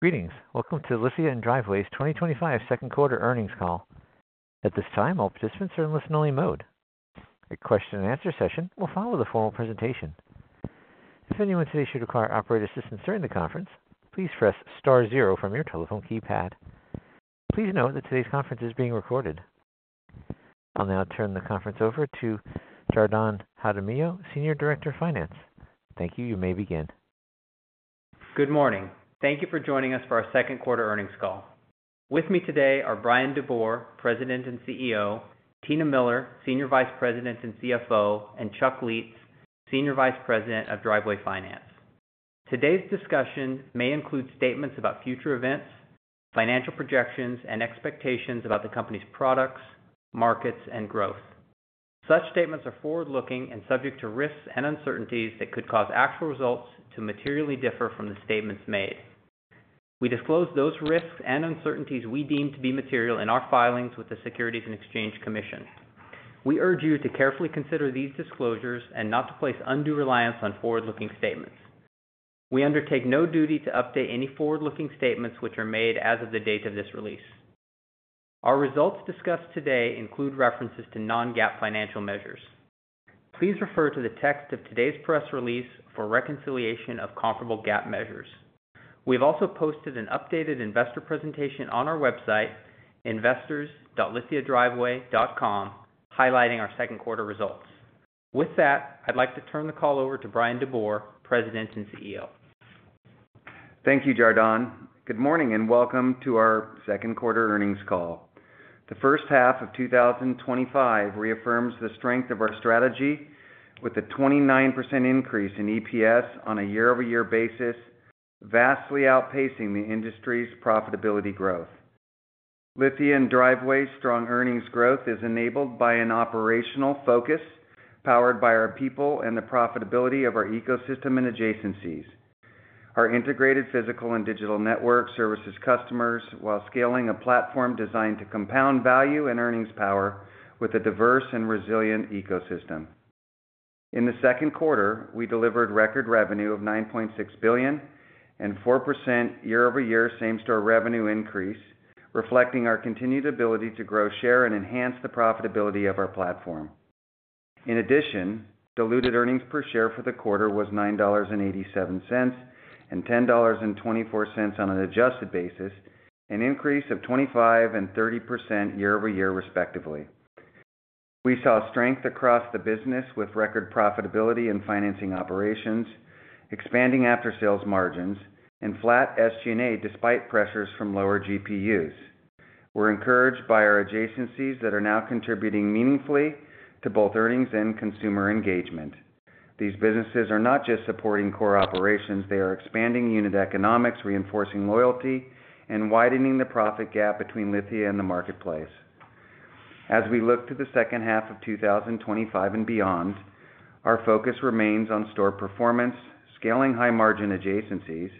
Greetings. Welcome to Lithia Motors and Driveway's 2025 second quarter earnings call. At this time, all participants are in listen-only mode. A question-and-answer session will follow the formal presentation. If anyone today should require operator assistance during the conference, please press star zero from your telephone keypad. Please note that today's conference is being recorded. I'll now turn the conference over to Jardon Jaramillo, Senior Director of Finance. Thank you. You may begin. Good morning. Thank you for joining us for our second quarter earnings call. With me today are Bryan DeBoer, President and CEO, Tina Miller, Senior Vice President and CFO, and Chuck Lietz, Senior Vice President of Driveway Finance Corporation. Today's discussion may include statements about future events, financial projections, and expectations about the company's products, markets, and growth. Such statements are forward looking and subject to risks and uncertainties that could cause actual results to materially differ from the statements made. We disclose those risks and uncertainties we deem to be material in our filings with the Securities and Exchange Commission. We urge you to carefully consider these disclosures and not to place undue reliance on forward looking statements. We undertake no duty to update any forward looking statements which are made as of the date of this release. Our results discussed today include references to non-GAAP financial measures. Please refer to the text of today's press release for reconciliation of comparable GAAP measures. We have also posted an updated investor presentation on our website investors.lithiadriveway.com highlighting our second quarter results. With that, I'd like to turn the call over to Bryan DeBoer, President and CEO. Thank you, Jardon. Good morning and welcome to our second quarter earnings call. The first half of 2025 reaffirms the strength of our strategy with a 29% increase in EPS on a year-over-year basis, vastly outpacing the industry's profitability growth. Lithia and Driveway's strong earnings growth is enabled by an operational focus powered by our people and the profitability of our ecosystem and adjacencies. Our integrated physical and digital network services customers while scaling a platform designed to compound value and earnings power with a diverse and resilient ecosystem. In the second quarter, we delivered record revenue of $9.6 billion and 4% year-over-year same-store revenue increase, reflecting our continued ability to grow, share, and enhance the profitability of our platform. In addition, diluted earnings per share for the quarter was $9.87 and $10.24 on an adjusted basis, an increase of 25% and 30% year-over-year, respectively. We saw strength across the business with record profitability in financing operations, expanding after-sales margins, and flat SG&A despite pressures from lower GPUs. We're encouraged by our adjacencies that are now contributing meaningfully to both earnings and consumer engagement. These businesses are not just supporting core operations, they are expanding unit economics, reinforcing loyalty, and widening the profit gap between Lithia and the marketplace. As we look to the second half of 2025 and beyond, our focus remains on store performance, scaling high-margin adjacencies,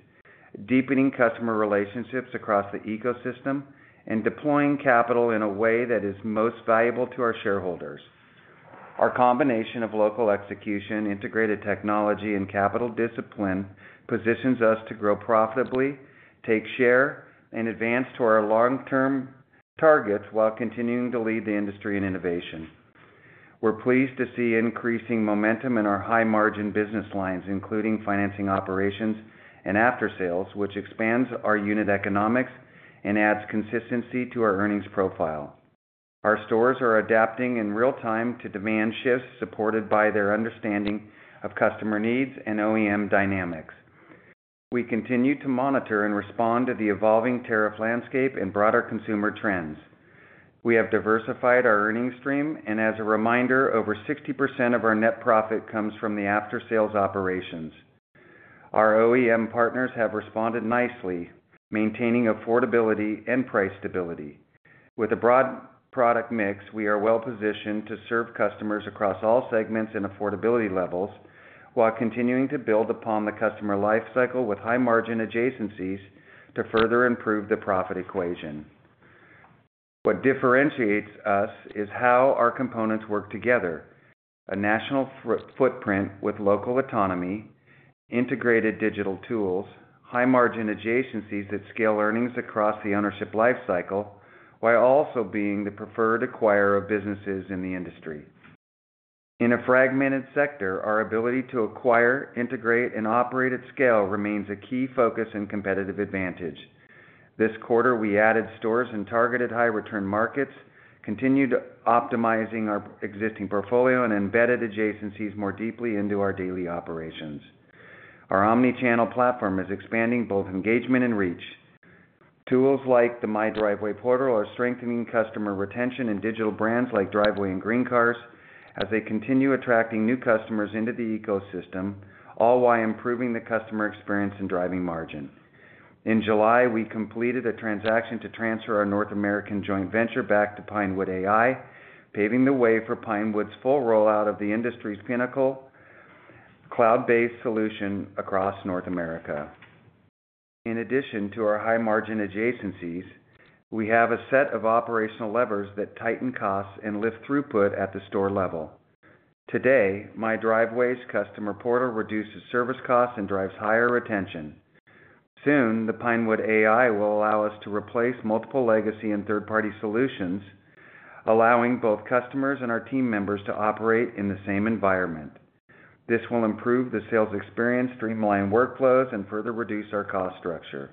deepening customer relationships across the ecosystem, and deploying capital in a way that is most valuable to our shareholders. Our combination of local execution, integrated technology, and capital discipline positions us to grow profitably, take share, and advance to our long-term targets while continuing to lead the industry in innovation. We're pleased to see increasing momentum in our high-margin business lines, including financing operations and after-sales, which expands our unit economics and adds consistency to our earnings profile. Our stores are adapting in real-time to demand shifts, supported by their understanding of customer needs and OEM dynamics. We continue to monitor and respond to the evolving tariff landscape and broader consumer trends. We have diversified our earnings stream, and as a reminder, over 60% of our net profit comes from the after-sales operations. Our OEM partners have responded nicely, maintaining affordability and price stability with a broad product mix. We are well positioned to serve customers across all segments and affordability levels while continuing to build upon the customer life cycle with high margin adjacencies to further improve the profit equation. What differentiates us is how our components work together. A national footprint with local autonomy, integrated digital tools, high margin adjacencies that scale earnings across the ownership life cycle while also being the preferred acquirer of businesses in the industry. In a fragmented sector, our ability to acquire, integrate, and operate at scale remains a key focus and competitive advantage. This quarter we added stores in targeted high return markets, continued optimizing our existing portfolio, and embedded adjacencies more deeply into our daily operations. Our omnichannel platform is expanding both engagement and reach. Tools like the My Driveway portal are strengthening customer retention and digital brands like Driveway and GreenCars as they continue attracting new customers into the ecosystem, all while improving the customer experience and driving margin. In July we completed a transaction to transfer our North American joint venture back to Pinewood AI, paving the way for Pinewood's full rollout of the industry's pinnacle cloud-based solution across North America. In addition to our high margin adjacencies, we have a set of operational levers that tighten costs and lift throughput at the store level. Today My Driveway's customer portal reduces service costs and drives higher retention. Soon Pinewood AI will allow us to replace multiple legacy and third-party solutions, allowing both customers and our team members to operate in the same environment. This will improve the sales experience, streamline workflows, and further reduce our cost structure.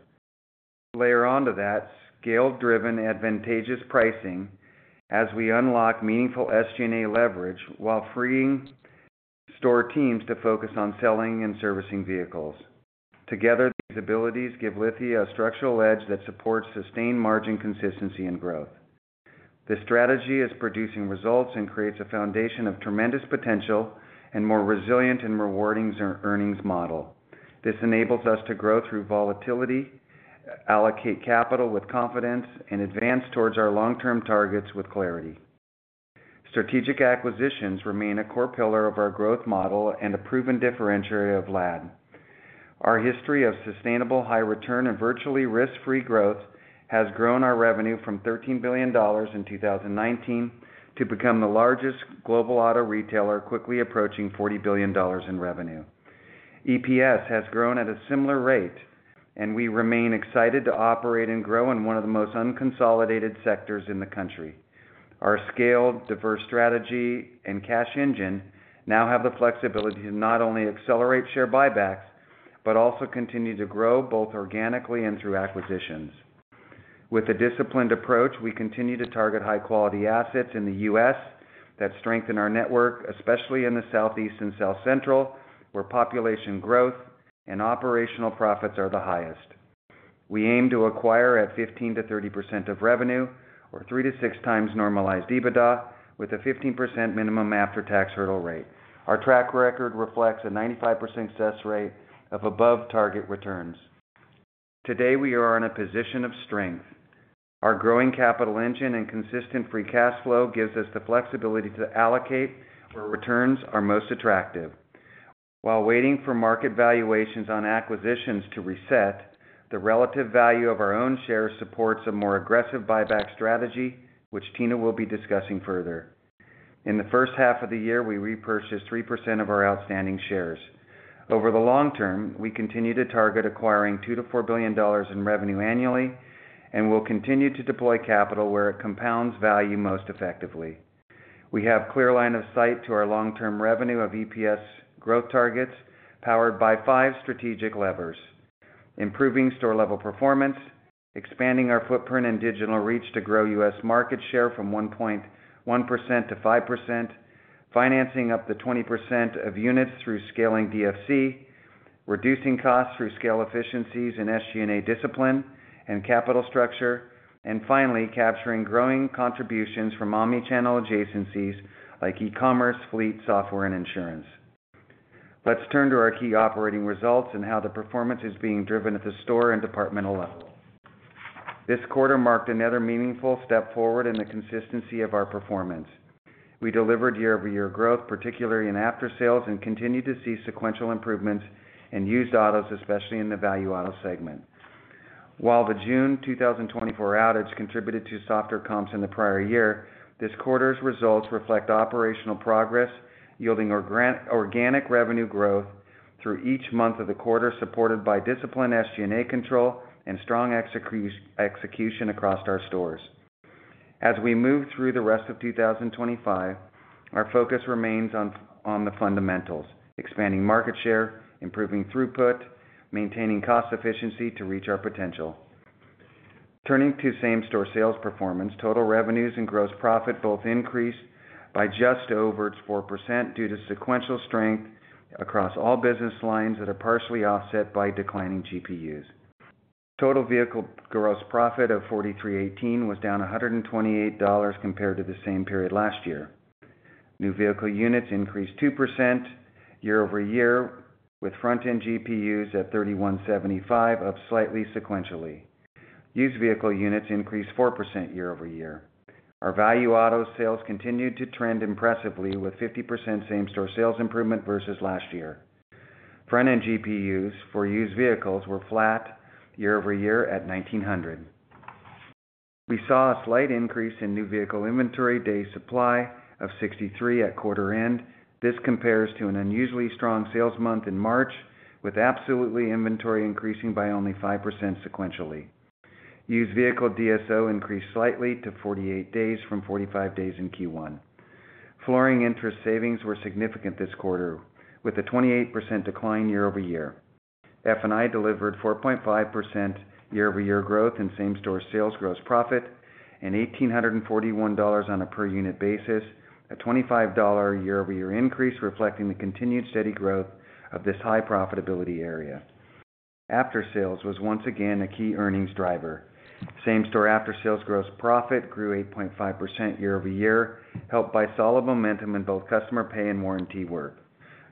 Layer onto that scale-driven advantageous pricing as we unlock meaningful SG&A leverage while freeing store teams to focus on selling and servicing vehicles. Together, these abilities give Lithia a structural edge that supports sustained margin consistency and growth. This strategy is producing results and creates a foundation of tremendous potential and a more resilient and rewarding earnings model. This enables us to grow through volatility, allocate capital with confidence, and advance towards our long-term targets with clarity. Strategic acquisitions remain a core pillar of our growth model and a proven differentiator of Lithia. Our history of sustainable, high return and virtually risk free growth has grown our revenue from $13 billion in 2019 to become the largest global auto retailer quickly approaching $40 billion in revenue. EPS has grown at a similar rate and we remain excited to operate and grow in one of the most unconsolidated sectors in the country. Our scaled, diverse strategy and cash engine now have the flexibility to not only accelerate share buybacks but also continue to grow both organically and through acquisitions with a disciplined approach. We continue to target high quality assets in the U.S. that strengthen our network, especially in the Southeast and South Central where population growth and operational profits are the highest. We aim to acquire at 15%-30% of revenue or 3x-6x normalized EBITDA with a 15% minimum after tax hurdle rate. Our track record reflects a 95% success rate of above target returns. Today we are in a position of strength. Our growing capital engine and consistent free cash flow gives us the flexibility to allocate where returns are most attractive while waiting for market valuations on acquisitions to reset, the relative value of our own shares supports a more aggressive buyback strategy which Tina will be discussing further. In the first half of the year we repurchased 3% of our outstanding shares. Over the long term we continue to target acquiring $2 billion-$4 billion in revenue annually and we'll continue to deploy capital where it compounds value most effectively. We have clear line of sight to our long-term revenue and EPS growth targets powered by five strategic levers: improving store level performance, expanding our footprint and digital reach to grow U.S. market share from 1.1%-5%, financing up to 20% of units through scaling DFC reducing costs through scale efficiencies in SG&A and a disciplined capital structure, and finally capturing growing contributions from omnichannel adjacencies like e-commerce, fleet, software, and insurance. Let's turn to our key operating results and how the performance is being driven at the store and departmental level. This quarter marked another meaningful step forward in the consistency of our performance. We delivered year-over-year growth, particularly in after-sales, and continue to see sequential improvements in used autos, especially in the value auto segment. While the June 2024 outage contributed to softer comps in the prior year, this quarter's results reflect operational progress, yielding organic revenue growth through each month of the quarter, supported by disciplined SG&A control and strong execution across our stores. As we move through the rest of 2025, our focus remains on the fundamentals: expanding market share, improving throughput, and maintaining cost efficiency to reach our potential. Turning to same-store sales performance, total revenues and gross profit both increased by just over 4% due to sequential strength across all business lines that are partially offset by declining GPUs. Total vehicle gross profit of $4,318 was down $128 compared to the same period last year. New vehicle units increased 2% year-over-year with front-end GPUs at $3,175, up slightly. Sequentially, used vehicle units increased 4% year-over-year. Our value auto sales continued to trend impressively with 50% same-store sales improvement versus last year. Front-end GPUs for used vehicles were flat year-over-year at $1,900. We saw a slight increase in new vehicle inventory day supply of 63 at quarter end. This compares to an unusually strong sales month in March with absolute inventory increasing by only 5% sequentially. Used vehicle DSO increased slightly to 48 days from 45 days in Q1. Flooring interest savings were significant this quarter with a 28% decline year-over-year. F&I delivered 4.5% year-over-year growth in same-store sales, gross profit, and $1,841 on a per unit basis, a $25 year-over-year increase reflecting the continued steady growth of this high profitability area. After-sales was once again a key earnings driver. Same-store after-sales gross profit grew 8.5% year-over-year, helped by solid momentum in both customer pay and warranty work.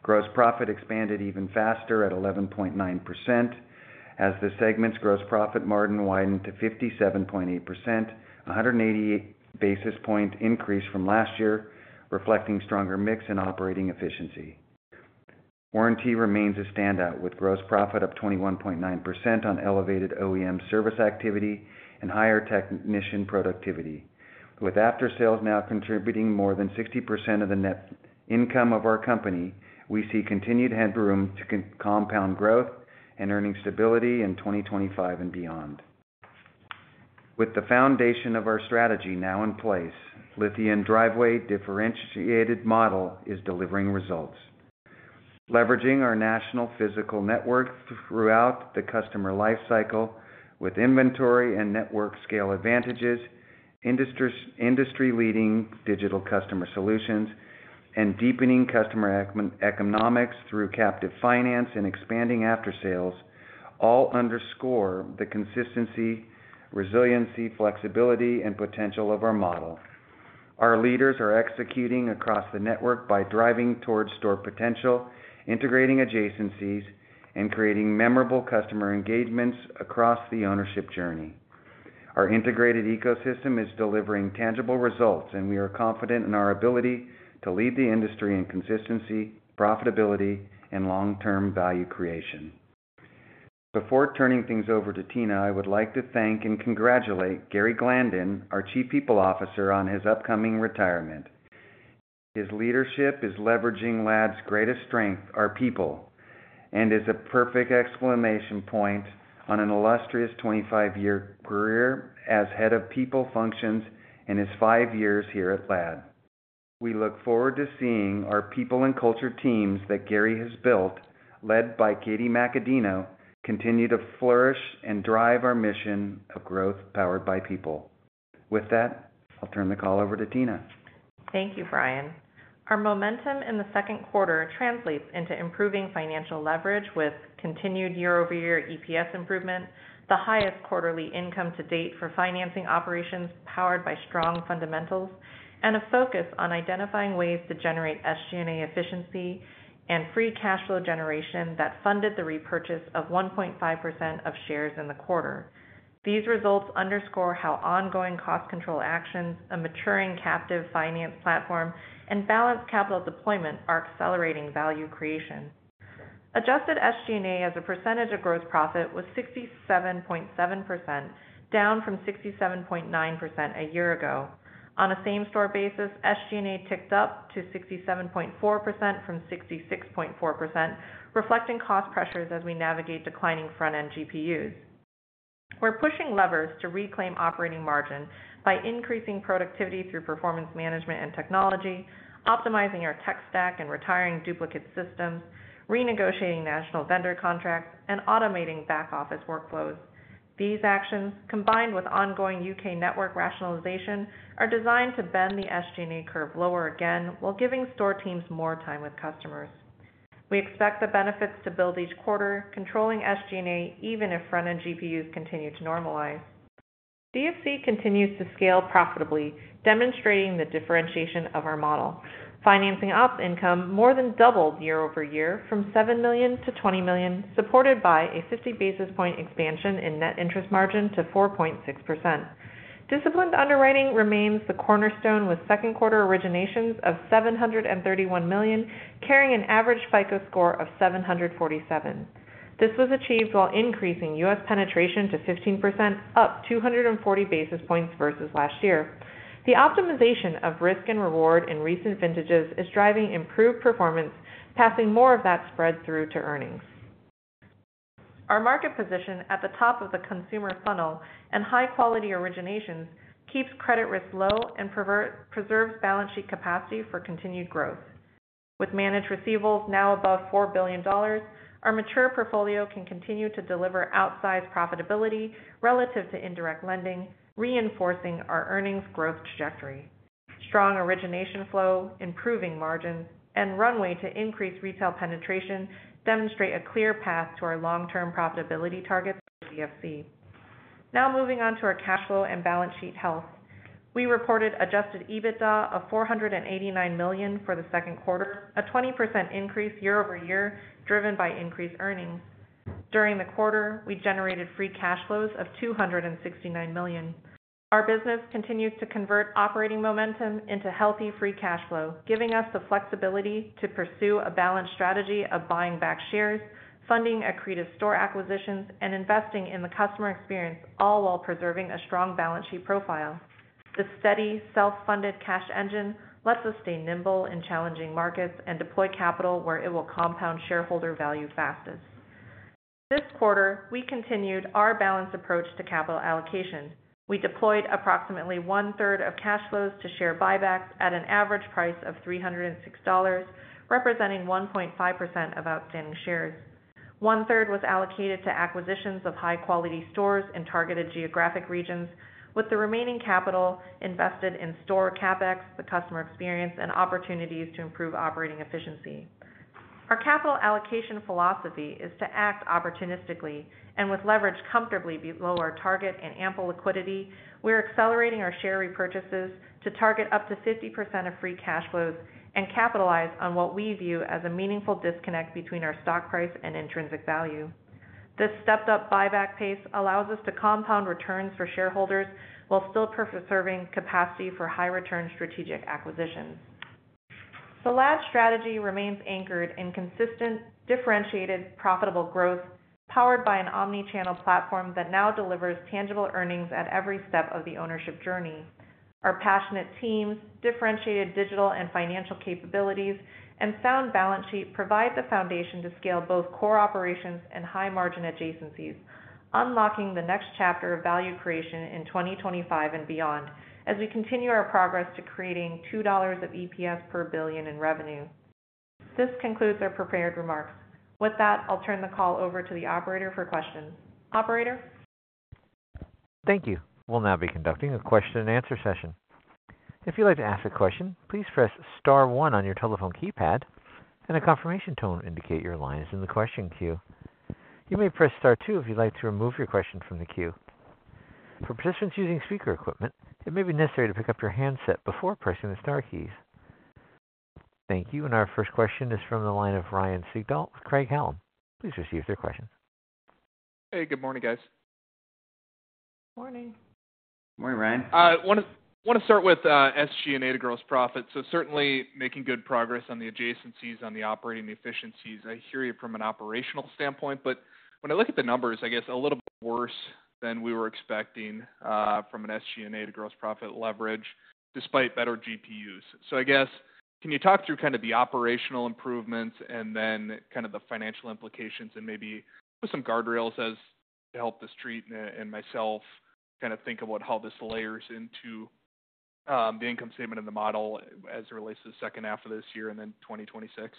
Gross profit expanded even faster at 11.9% as the segment's gross profit margin widened to 57.8%, a 188 basis point increase from last year, reflecting stronger mix and operating efficiency. Warranty remains a standout with gross profit up 21.9% on elevated OEM service activity and higher technician productivity. With after-sales now contributing more than 60% of the net income of our company, we see continued headroom to compound growth and earning stability in 2025 and beyond. With the foundation of our strategy now in place, Lithia Motors Driveway differentiated model is delivering results leveraging our national physical network throughout the customer life cycle with inventory and network scale advantages, industry leading digital customer solutions and deepening customer economics through captive finance and expanding after-sales all underscore the consistency, resiliency, flexibility and potential of our model. Our leaders are executing across the network by driving towards store potential, integrating adjacencies and creating memorable customer engagements across the ownership journey. Our integrated ecosystem is delivering tangible results and we are confident in our ability to lead the industry in consistency, profitability and long term value creation. Before turning things over to Tina, I would like to thank and congratulate Gary Glandon, our Chief People Officer, on his upcoming retirement. His leadership is leveraging LAD's greatest strength, our people, and is a perfect exclamation point on an illustrious 25 year career as head of people functions in his five years here at LAD. We look forward to seeing our people and culture teams that Gary has built, led by Katie Macadino, continue to flourish and drive our mission of growth Powered by People. With that, I'll turn the call over to Tina. Thank you, Bryan. Our momentum in the second quarter translates into improving financial leverage with continued year-over-year EPS improvement, the highest quarterly income to date for financing operations, powered by strong fundamentals and a focus on identifying ways to generate SG&A efficiency and free cash flow generation that funded the repurchase of 1.5% of shares in the quarter. These results underscore how ongoing cost control actions, a maturing captive finance platform, and balanced capital deployment are accelerating value creation. Adjusted SG&A as a percentage of gross profit was 67.7%, down from 67.9% a year ago. On a same-store basis, SG&A ticked up to 67.4% from 66.4%, reflecting cost pressures as we navigate declining front-end GPUs. We're pushing levers to reclaim operating margin by increasing productivity through performance management and technology, optimizing our tech stack and retiring duplicate systems, renegotiating national vendor contracts, and automating back office workflows. These actions, combined with ongoing U.K. network rationalization, are designed to bend the SG&A curve lower again while giving store teams more time with customers. We expect the benefits to build each quarter, controlling SG&A even if front-end GPUs continue to normalize. DFC continues to scale profitably, demonstrating the differentiation of our model. Financing operations income more than doubled year-over-year from $7 million-$20 million, supported by a 50 basis point expansion in net interest margin to 4.6%. Disciplined underwriting remains the cornerstone, with second quarter originations of $731 million carrying an average FICO score of 747. This was achieved while increasing U.S. penetration to 15%, up 240 basis points versus last year. The optimization of risk and reward in recent vintages is driving improved performance, passing more of that spread through to earnings. Our market position at the top of the consumer funnel and high-quality originations keeps credit risks low and preserves balance sheet capacity for continued growth. With managed receivables now above $4 billion, our mature portfolio can continue to deliver outsized profitability relative to indirect lending, reinforcing our earnings growth trajectory. Strong origination flow, improving margins, and runway to increase retail penetration demonstrate a clear path to our long-term profitability targets. Now moving on to our cash flow and balance sheet health, we reported adjusted EBITDA of $489 million for the second quarter, a 20% increase year-over-year driven by increased earnings. During the quarter we generated free cash flows of $269 million. Our business continues to convert operating momentum into healthy free cash flow, giving us the flexibility to pursue a balanced strategy of buying back shares, funding accretive store acquisitions, and investing in the customer experience, all while preserving a strong balance sheet profile. The steady self-funded cash engine lets us stay nimble in challenging markets and deploy capital where it will compound shareholder value fastest. This quarter we continued our balanced approach to capital allocation. We deployed approximately 1/3 of cash flows to share buybacks at an average price of $306, representing 1.5% of outstanding shares. 1/3 was allocated to acquisitions of high quality stores in targeted geographic regions, with the remaining capital invested in store CapEx, the customer experience, and opportunities to improve operating efficiency. Our capital allocation philosophy is to act opportunistically and with leverage comfortably below our target and ample liquidity. We're accelerating our share repurchases to target up to 50% of free cash flows and capitalize on what we view as a meaningful disconnect between our stock price and intrinsic value. This stepped up buyback pace allows us to compound returns for shareholders while still preserving capacity for high return strategic acquisitions. Our strategy remains anchored in consistent differentiated profitable growth powered by an omnichannel platform that now delivers tangible earnings at every step of the ownership journey. Our passionate teams, differentiated digital and financial capabilities, and sound balance sheet provide the foundation to scale both core operations and high margin adjacencies, unlocking the next chapter of value creation in 2025 and beyond as we continue our progress to creating $2 of EPS per billion in revenue. This concludes our prepared remarks. With that, I'll turn the call over to the operator for questions. Operator, thank you. We'll now be conducting a question-and-answer session. If you'd like to ask a question, please press star one on your telephone keypad and a confirmation tone will indicate your line is in the question queue. You may press star two if you'd like to remove your question from the queue. For participants using speaker equipment, it may be necessary to pick up your handset before pressing the star keys. Thank you. Our first question is from the line of Ryan Sigdahl with Craig-Hallum. Please proceed with your questions. Hey, good morning, guys. Morning. Morning, Ryan. I want to start with SG&A-to-gross profit. Certainly making good progress on the adjacencies and the operating efficiencies. I hear you from an operational standpoint, but when I look at the numbers, it's a little bit worse than we were expecting from an SG&A-to-gross profit leverage despite better GPUs. Can you talk through the operational improvements and then the financial implications, and maybe with some guardrails to help the street and myself think about how this layers into the income statement of the model as it relates to the second half of this year and then 2026.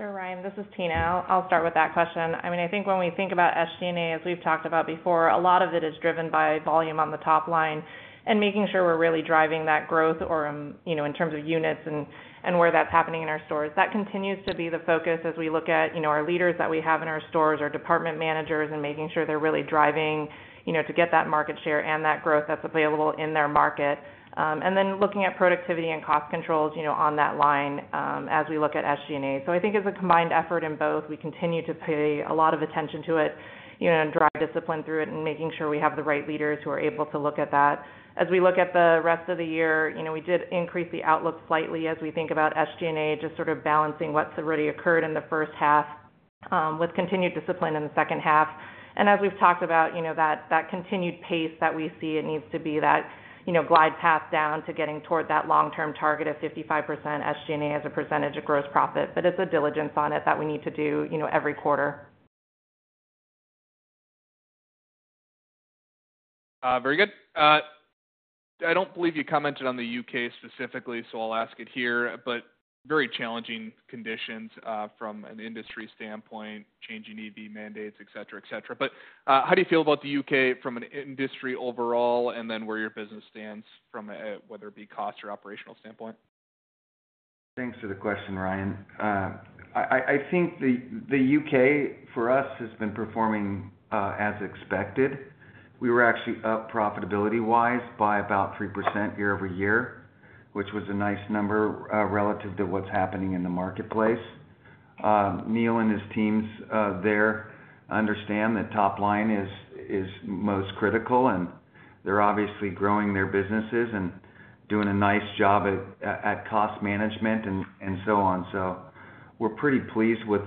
Sure. Ryan, this is Tina. I'll start with that question. I mean, I think when we think about SG&A, as we've talked about before, a lot of it is driven by volume on the top line and making sure we're really driving that growth in terms of units and where that's happening in our stores. That continues to be the focus as we look at our leaders that we have in our stores, our department managers, and making sure they're really driving to get that market share and that growth that's available in their market, and then looking at productivity and cost controls on that line as we look at SG&A. I think as a combined effort in both, we continue to pay a lot of attention to it, drive discipline through it, and making sure we have the right leaders who are able to look at that as we look at the rest of the year. We did increase the outlook slightly as we think about SG&A, just sort of balancing what's already occurred in the first half with continued discipline in the second half. As we've talked about, that continued pace that we see, it needs to be that glide path down to getting toward that long-term target of 55% SG&A as a percentage of gross profit. It's a diligence on it that we need to do every quarter. Very good. I don't believe you commented on the U.K. specifically, so I'll ask it here. Very challenging conditions from an industry standpoint, changing EV mandates, etc. How do you feel about the U.K. from an industry overall and then where your business stands from, whether it be cost or operational standpoint? Thanks for the question, Ryan. I think the U.K. for us has been performing as expected. We were actually up profitability wise by about 3% year-over-year, which was a nice number relative to what's happening in the marketplace. Neil and his teams there understand that top line is most critical, and they're obviously growing their businesses and doing a nice job at cost management and so on. We're pretty pleased with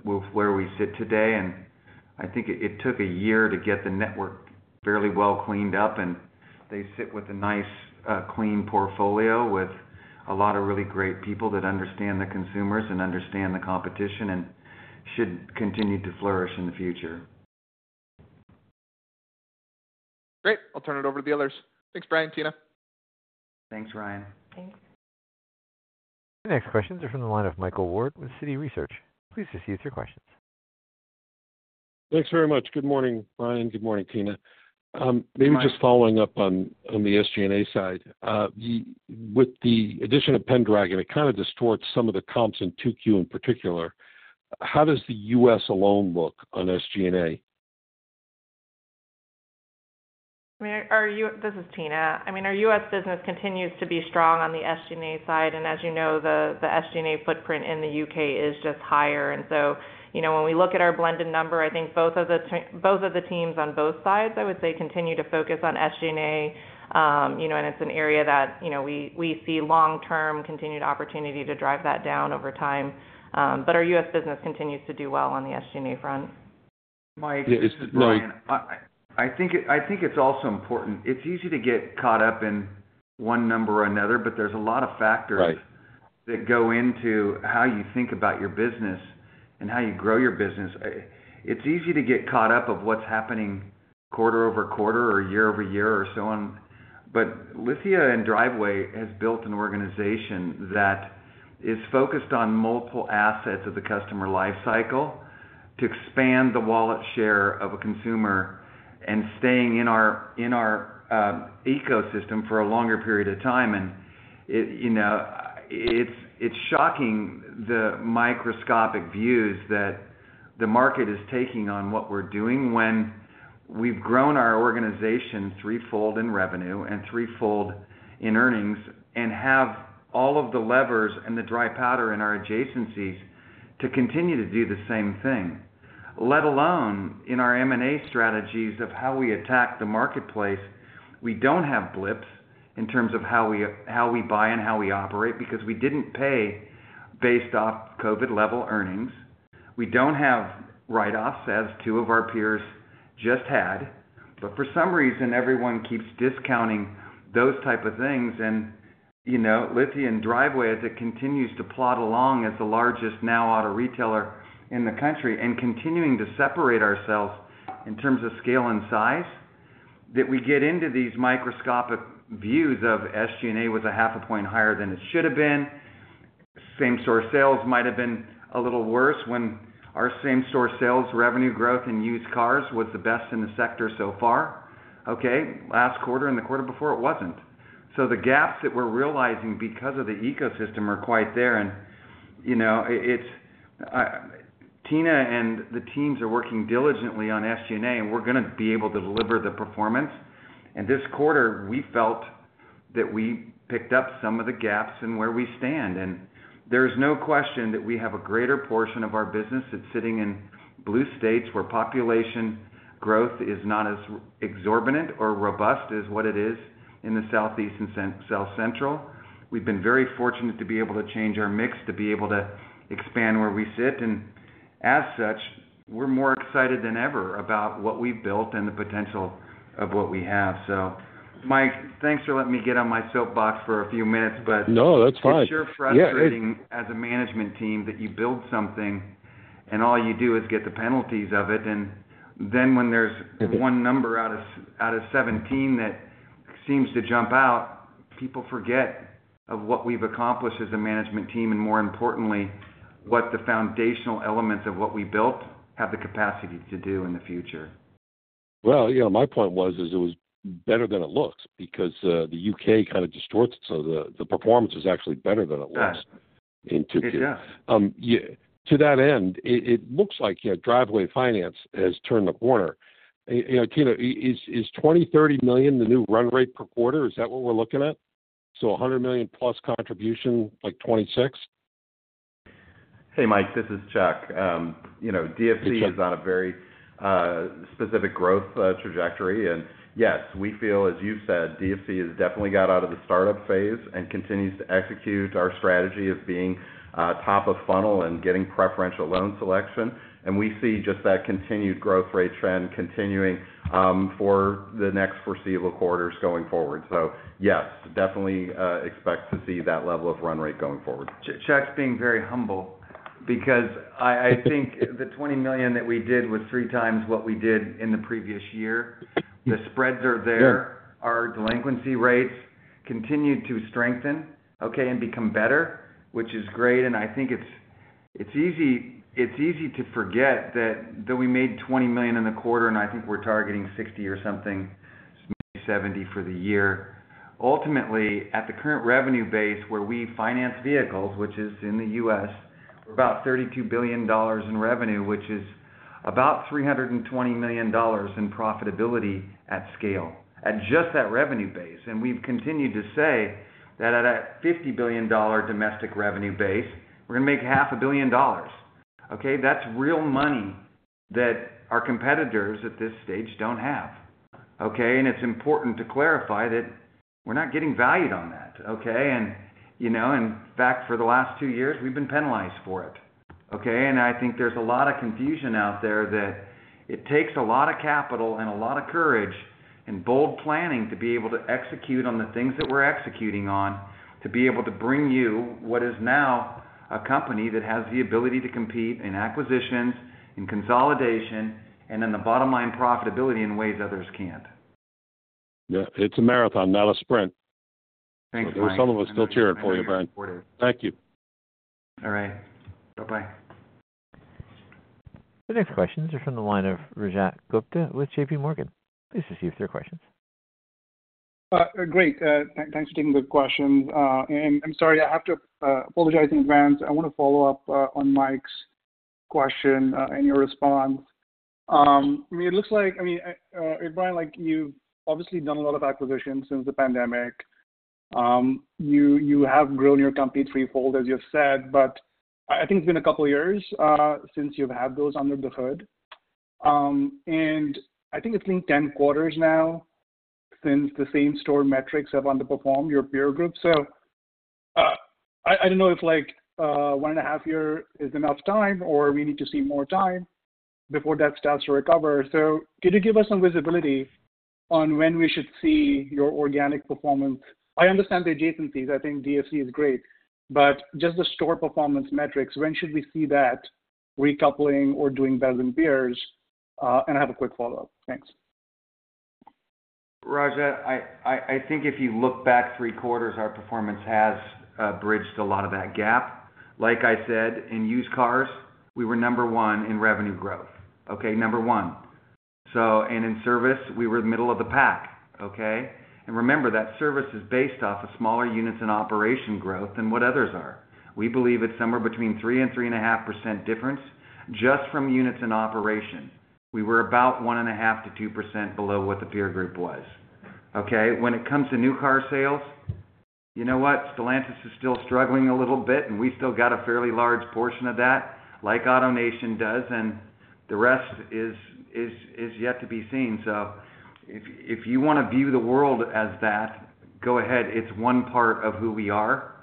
where we sit today, and I think it took a year to get the network fairly well cleaned up, and they sit with a nice clean portfolio with a lot of really great people that understand the consumers and understand the competition and should continue to flourish in the future. Great. I'll turn it over to the others. Thanks, Bryan and Tina. Thanks Ryan. Thanks. The next questions are from the line of Michael Patrick Ward with Citi Research. Please receive your questions. Thanks very much. Good morning, Bryan. Good morning, Tina. Maybe just following up on the SG&A side with the addition of Pendragon, it kind of distorts some of the comps in 2Q in particular. How does the U.S. alone look on SG&A? This is Tina. I mean, our U.S. business continues to be strong on the SG&A side, and as you know, the SG&A footprint in the U.K. is just higher. When we look at our blended number, I think both of the teams on both sides, I would say, continue to focus on SG&A, and it's an area that we see long-term continued opportunity to drive that down over time. Our U.S. business continues to do well on the SG&A front. I think it's also important. It's easy to get caught up in one number or another, but there's a lot of factors that go into how you think about your business and how you grow your business. It's easy to get caught up in what's happening quarter over quarter or year-over-year or so on, but Lithia and Driveway has built an organization that is focused on multiple assets of the customer life cycle to expand the wallet share of a consumer and staying in our ecosystem for a longer period of time. It's shocking the microscopic views that the market is taking on what we're doing when we've grown our organization threefold in revenue and threefold in earnings and have all of the levers and the dry powder in our adjacencies to continue to do the same thing, let alone in our M&A strategies of how we attack the marketplace. We don't have blips in terms of how we buy and how we operate because we didn't pay based off COVID-level earnings. We don't have write-offs as two of our peers just had. For some reason everyone keeps discounting those type of things and, you know, Lithia and Driveway as it continues to plod along as the largest now auto retailer in the country and continuing to separate ourselves in terms of scale and size that we get into. These microscopic views of SG&A was 0.5 a point higher than it should have been. Same-store sales might have been a little worse when our same-store sales revenue growth in used cars was the best in the sector so far. Last quarter and the quarter before it wasn't. The gaps that we're realizing because of the ecosystem are quite there. Tina and the teams are working diligently on SG&A and we're going to be able to deliver the performance. This quarter we felt that we picked up some of the gaps in where we stand and there is no question that we have a greater portion of our business that's sitting in blue states where population growth is not as exorbitant or robust as what it is in the Southeast and South Central. We've been very fortunate to be able to change our mix, to be able to expand where we sit. As such we're more excited than ever about what we've built and the potential what we have. Mike, thanks for letting me get on my soapbox for a few minutes. That's fine. It's sure frustrating as a management team that you build something and all you do is get the penalties of it. When there's one number out of 17 that seems to jump out, people forget what we've accomplished as a management team, and more importantly, what the foundational elements of what we built have the capacity to do in the future. My point was, it was better than it looks because the U.K. kind of distorts, so the performance is actually better than it was in 2Q. To that end, it looks like Driveway Finance has turned the corner. Tina, is $20 million, $30 million the new run rate per quarter? Is that what we're looking at? $100+ million contribution, like $26. Hey, Mike, this is Chuck. DFC is on a very specific growth trajectory. Yes, we feel, as you said, DFC has definitely got out of the startup phase and continues to execute our strategy of being top of funnel and getting preferential loan selection. We see just that continued growth rate trend continuing for the next foreseeable quarters going forward. Yes, definitely expect to see that level of run rate going forward. Chuck's being very humble because I think the $20 million that we did was 3x what we did in the previous year. The spreads are there. Our delinquency rates continue to strengthen and become better, which is great. I think it's easy to forget that we made $20 million in the quarter, and I think we're targeting $60 or something $70 million for the year. Ultimately, at the current revenue base where we finance vehicles, which is in the U.S., we're about $32 billion in revenue, which is about $320 million in profitability at scale at just that revenue base. We've continued to say that at a $50 billion domestic revenue base, we're going to make $0.5 billion. That's real money that our competitors at this stage don't have. It's important to clarify that we're not getting valued on that. In fact, for the last two years we've been penalized for it. I think there's a lot of confusion out there that it takes a lot of capital and a lot of courage and bold planning to be able to execute on the things that we're executing on, to be able to bring you what is now a company that has the ability to compete in acquisitions, in consolidation, and then the bottom line, profitability in ways others can't. It's a marathon, not a sprint. Thank you. Some of us still cheering for you, Bryan. Thank you. All right, bye-bye. The next questions are from the line of Rajat Gupta with JP Morgan. Please receive their questions. Great. Thanks for taking the question and I'm sorry, I have to apologize in advance. I want to follow up on Mike's question and your response. It looks like, I mean, Bryan, like, you've obviously done a lot of acquisitions since the pandemic. You have grown your company threefold, as you've said. I think it's been a couple years since you've had those under the hood, and I think it's been 10 quarters now since the same-store metrics have underperformed your peer group. I don't know if, like, 1.5 years is enough time or we need to see more time before that starts to recover. Could you give us some visibility on when we should see your organic performance? I understand the adjacencies. I think DFC is great. Just the store performance metrics, when should we see that recoupling or doing better than peers? I have a quick follow-up. Thanks. Rajat, I think if you look back three quarters, our performance has bridged a lot of that gap. Like I said, in used cars, we were number one in revenue growth. Number one. In service, we were middle of the pack. Remember that service is based off of smaller units in operation growth than what others are. We believe it's somewhere between 3% and 3.5% difference just from units in operation. We were about 1.5%-2% below what the peer group was. When it comes to new car sales, you know what? Stellantis is still struggling a little bit, and we still got a fairly large portion of that like AutoNation does, and the rest is yet to be seen. If you want to view the world as that, go ahead. It's one part of who we are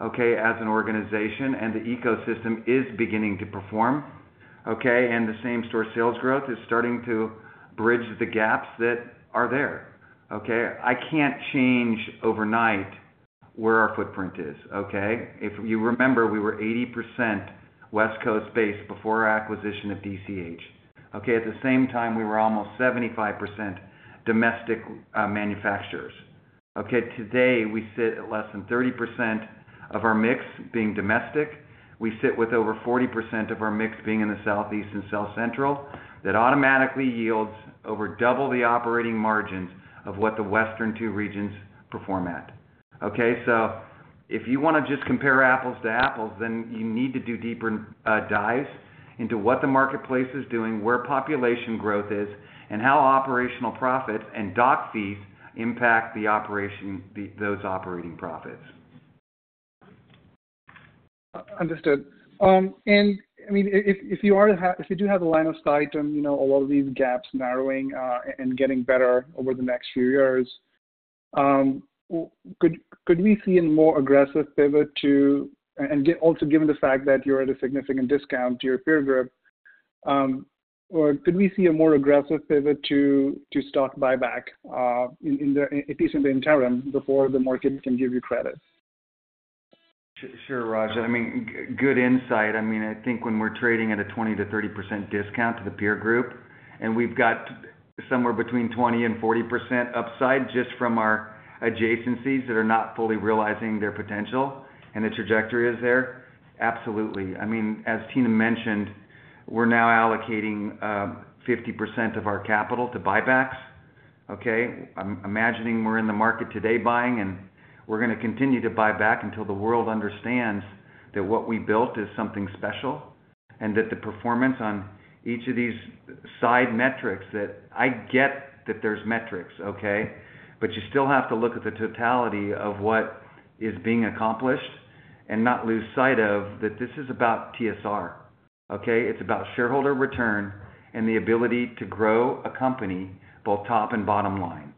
as an organization. The ecosystem is beginning to perform. The same-store sales growth is starting to bridge the gaps that are there. I can't change overnight where our footprint is. If you remember, we were 80% West Coast based before our acquisition of DCH. At the same time, we were almost 75% domestic manufacturers. Today we sit at less than 30% of our mix being domestic. We sit with over 40% of our mix being in the Southeast and South Central. That automatically yields over double the operating margins of what the western two regions perform at. If you want to just compare apples to apples, then you need to do deeper dives into what the marketplace is doing, where population growth is, and how operational profits and doc fees impact the operation. Those operating profits. Understood. If you do have a line of sight and a lot of these gaps narrowing and getting better over the next few years, could we see a more aggressive pivot to, given the fact that you're at a significant discount to your peer group, or could we see a more aggressive pivot to stock buyback at least in the interim before the market can give you credit? Sure, Raj. Good insight. I think when we're trading at a 20%-30% discount to the peer group and we've got somewhere between 20% and 40% upside just from our adjacencies that are not fully realizing their potential and the trajectory is there. Absolutely. As Tina mentioned, we're now allocating 50% of our capital to buybacks. I'm imagining we're in the market today buying, and we're going to continue to buy back until the world understands that what we built is something special and that the performance on each of these side metrics that. I get that there's metrics, but you still have to look at the totality of what is being accomplished and not lose sight of that. This is about TSR, it's about shareholder return and the ability to grow a company, both top and bottom line.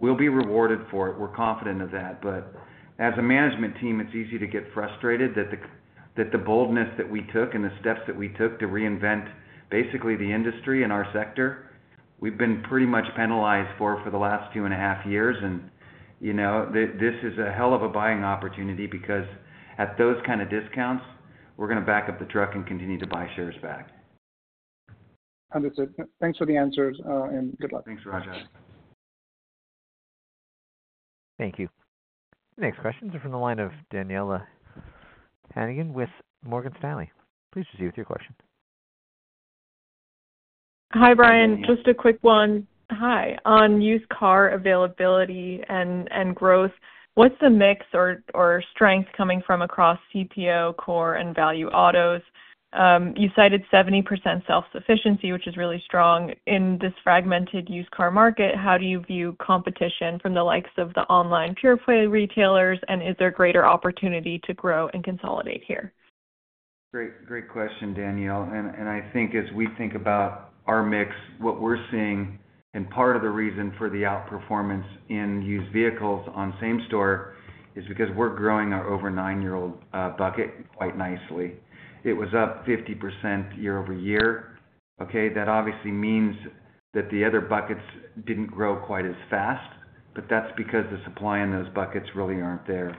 We'll be rewarded for it. We're confident of that. As a management team, it's easy to get frustrated that the boldness that we took and the steps that we took to reinvent basically the industry and our sector, we've been pretty much penalized for, for the last 2.5 years. This is a hell of a buying opportunity because at those kind of discounts, we're going to back up the truck and continue to buy shares back. Understood. Thanks for the answers and good luck. Thanks, Rajat. Thank you. Next questions are from the line of Daniela Haigian with Morgan Stanley. Please proceed with your question. Hi, Bryan. Just a quick one. On used car availability and growth, what's the mix or strength coming from across CPO, core and value autos? You cited 70% self sufficiency, which is really strong in this fragmented used car market. How do you view competition from the likes of the online pure play retailers, and is there greater opportunity to grow and consolidate here? Great question, Daniela. I think as we think about our mix, what we're seeing and part of the reason for the outperformance in used vehicles on same-store is because we're growing our over nine-year-old bucket quite nicely. It was up 50% year-over-year. That obviously means that the other buckets didn't grow quite as fast, but that's because the supply in those buckets really isn't there.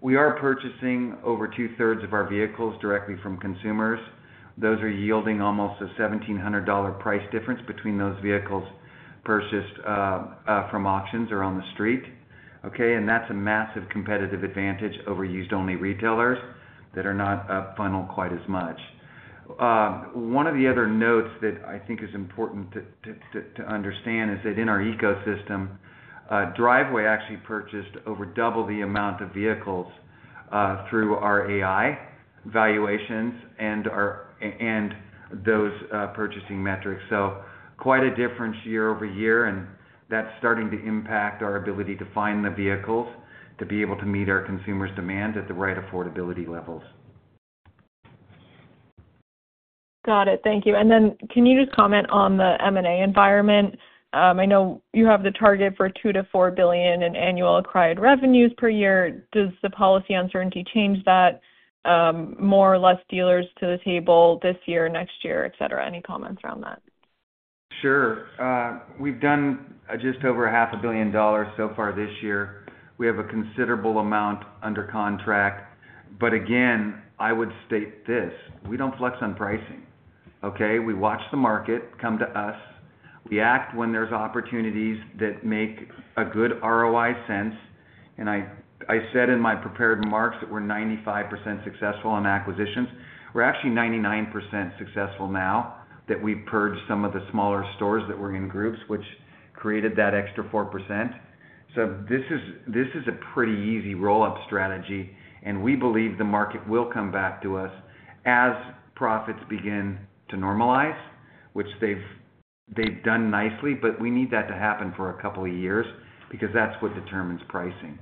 We are purchasing over two-thirds of our vehicles directly from consumers. Those are yielding almost a $1,700 price difference between those vehicles purchased from auctions or on the street. That's a massive competitive advantage over used-only retailers that are not up funnel quite as much. One of the other notes that I think is important to understand is that in our ecosystem Driveway actually purchased over double the amount of vehicles through our AI valuations and those purchasing metrics. Quite a difference year-over-year, and that's starting to impact our ability to find the vehicles to be able to meet our consumers' demand at the right affordability levels. Got it, thank you. Can you just comment on the M&A environment? I know you have the target for $2 billion-$4 billion in annual acquired revenues per year. Does the policy uncertainty change that? More or less dealers to the table this year, next year, etc. Any comments around that? Sure. We've done just over $0.5 billion so far this year. We have a considerable amount under contract. I would state this: we don't flex on pricing. We watch the market come to us. We act when there's opportunities that make a good ROI sense. I said in my prepared remarks that we're 95% successful on acquisitions. We're actually 99% successful now that we purged some of the smaller stores that were in groups, which created that extra 4%. This is a pretty easy roll up strategy, and we believe the market will come back to us as profits begin to normalize, which they've done nicely. We need that to happen for a couple of years because that's what determines pricing.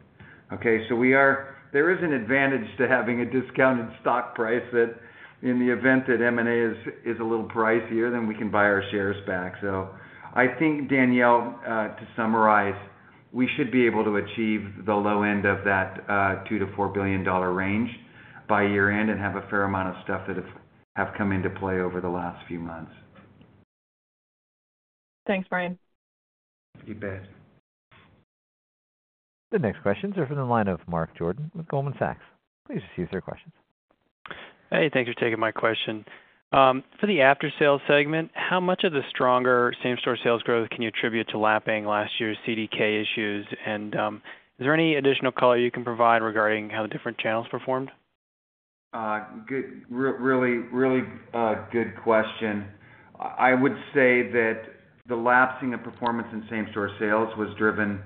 There is an advantage to having a discounted stock price that in the event that M&A is a little pricier, then we can buy our shares back. I think, Danielle, to summarize, we should be able to achieve the low end of that $2 billion-$4 billion range by year end and have a fair amount of stuff that have come into play over the last few months. Thanks, Brian. You bet. The next questions are from the line of Mark David Jordan with Goldman Sachs. Please receive your questions. Hey, thanks for taking my question. For the after-sales segment, how much of the stronger same-store sales growth can you attribute to lapping last year's CDK issues? Is there any additional color you can provide regarding how the different channels performed? Really, really good question. I would say that the lapsing of performance in same-store sales was driven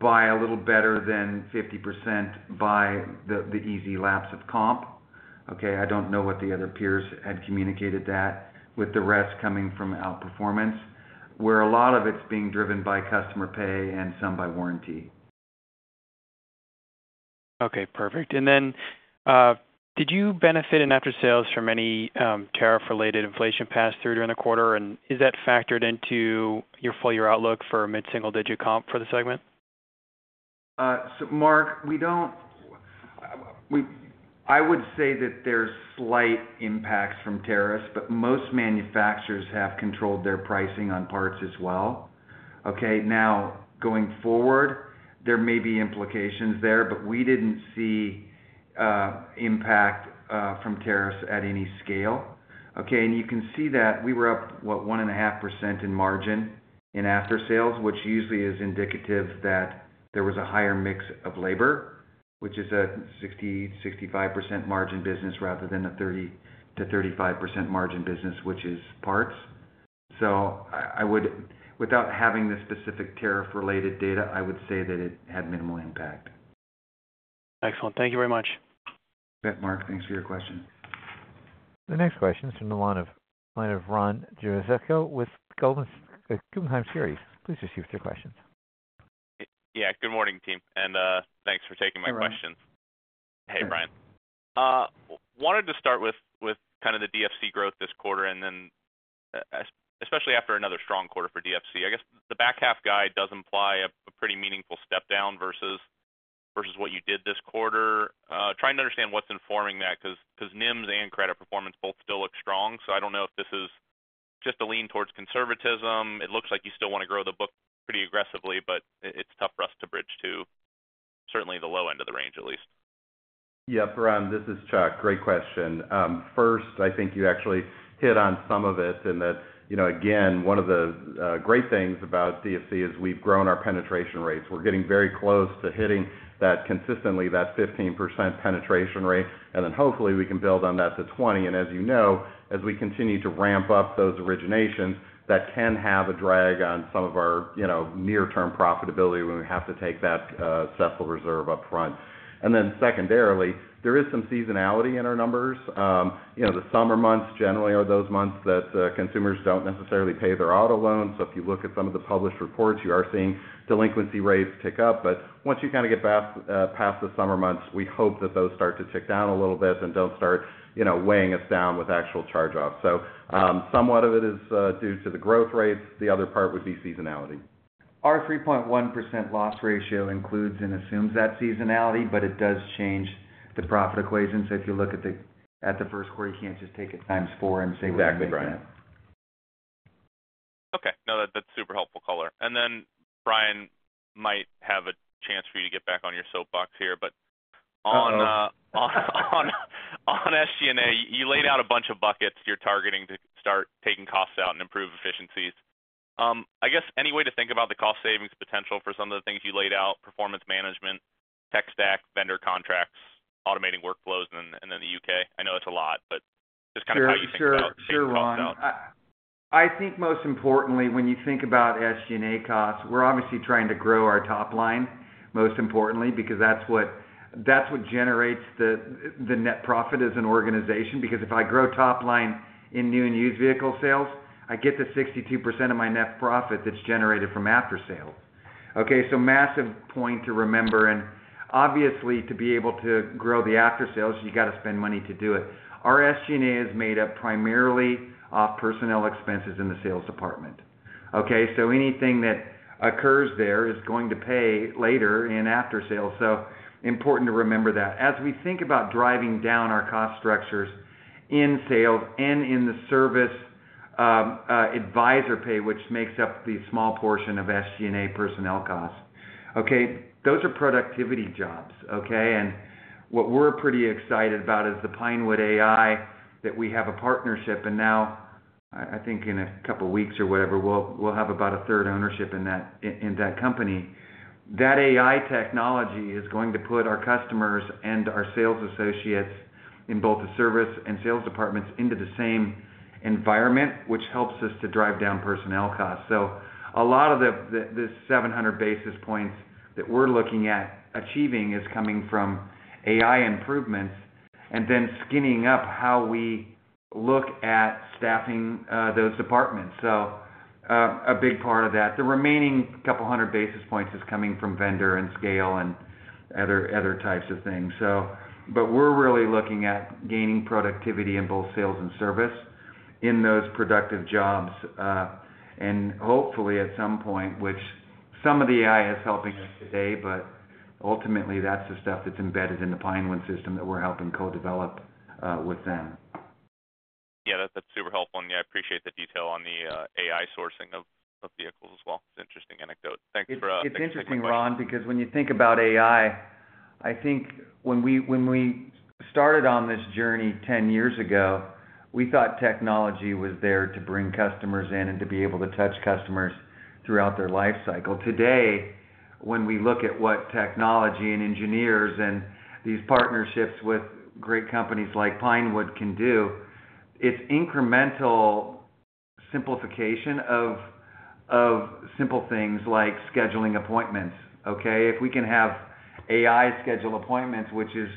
by a little better than 50% by the easy lapse of comp. I don't know what the other peers had communicated, with the rest coming from outperformance where a lot of it's being driven by customer pay and some by warranty. Okay, perfect. Did you benefit in after-sales from any tariff-related inflation pass-through during the quarter, and is that factored into your full-year outlook for mid single-digit comp for the segment? Mark, we don't. I would say that there's slight impacts from tariffs, but most manufacturers have controlled their pricing on parts as well. Now, going forward there may be implications there, but we didn't see impact from tariffs at any scale. You can see that we were up, what, 1.5% in margin in after-sales, which usually is indicative that there was a higher mix of labor, which is a 60%-65% margin business, rather than a 30%-35% margin business, which is parts. Without having the specific tariff-related data, I would say that it had minimal impact. Excellent. Thank you very much. Mark, thanks for your question. The next question is from the line of Ronald John Jewsikow with Guggenheim Securities. Please proceed with your questions. Yeah, good morning team and thanks for taking my questions. Hey Bryan, wanted to start with kind of the DFC growth this quarter and then especially after another strong quarter for DFC. I guess the back half guide does imply a pretty meaningful step down versus what you did this quarter. Trying to understand what's informing that because NIMS and credit performance both still look strong. I don't know if this is just a lean towards conservatism. It looks like you still want to grow the book pretty aggressively but it's tough for us to bridge to certainly the low end of the range at least. Yep. This is Chuck, great question. First, I think you actually hit on some of it in that, you know, again, one of the great things about DFC is we've grown our penetration rates. We're getting very close to hitting that consistently, that 15% penetration rate, and then hopefully we can build on that to 20%. As you know, as we continue to ramp up those originations, that can have a drag on some of our, you know, near-term profitability when we have to take that cessile reserve up front. Secondarily, there is some seasonality in our numbers. The summer months generally are those months that consumers don't necessarily pay their auto loans. If you look at some of the published reports, you are seeing delinquency rates tick up. Once you kind of get past the summer months, we hope that those start to tick down a little bit and don't start, you know, weighing us down with actual charge-offs. Somewhat of it is due to the growth rates. The other part would be seasonality. Our 3.1% loss ratio includes and assumes that seasonality, but it does change the profit equation. If you look at the first quarter, you can't just take it times four and say we're looking at. Okay, no, that's super helpful. Color. Bryan, you might have a chance to get back on your soapbox here, but on SG&A you laid out a bunch of buckets you're targeting to start taking costs out and improve efficiencies. Any way to think about the cost savings potential for some of the things you laid out? Performance management, tech stack, vendor contracts, automating workflows, and then the U.K. I know it's a lot, but just Kind of how you. I think most importantly when you think about SG&A costs, we're obviously trying to grow our top line, most importantly because that's what generates the net profit as an organization. Because if I grow top line in new and used vehicle sales, I get the 62% of my net profit that's generated from assets. A massive point to remember and obviously to be able to grow the after-sales, you got to spend money to do it. Our SG&A is made up primarily of personnel expenses in the sales department. Anything that occurs there is going to pay later in after-sales. Important to remember that as we think about driving down our cost structures in sales and in the service advisor pay, which makes up the small portion of SG&A personnel costs. Those are productivity jobs. What we're pretty excited about is the Pinewood AI that we have a partnership and now I think in a couple weeks or whatever we'll have about a third ownership in that company. That AI technology is going to put our customers and our sales associates in both the service and sales departments into the same environment, which helps us to drive down personnel costs. A lot of the 700 basis points that we're looking at achieving is coming from AI improvements and then skinning up how we look at staffing those departments. A big part of that, the remaining couple 100 basis points, is coming from vendor and scale and other types of things. We're really looking at gaining productivity in both sales and service in those productive jobs and hopefully at some point, which some of the AI is helping us today. Ultimately that's the stuff that's embedded in the Pinewood system that we're helping co-develop with them. Yeah, that's super helpful. I appreciate the detail on the AI sourcing of vehicles as well. Interesting anecdote. Thanks. It's interesting, Ron, because when you think about AI, I think when we started on this journey 10 years ago, we thought technology was there to bring customers in and to be able to touch customers throughout their life cycle. Today, when we look at what technology and engineers and these partnerships with great companies like Pinewood can do, it's incremental simplification of simple things like scheduling appointments. If we can have AI schedule appointments, which is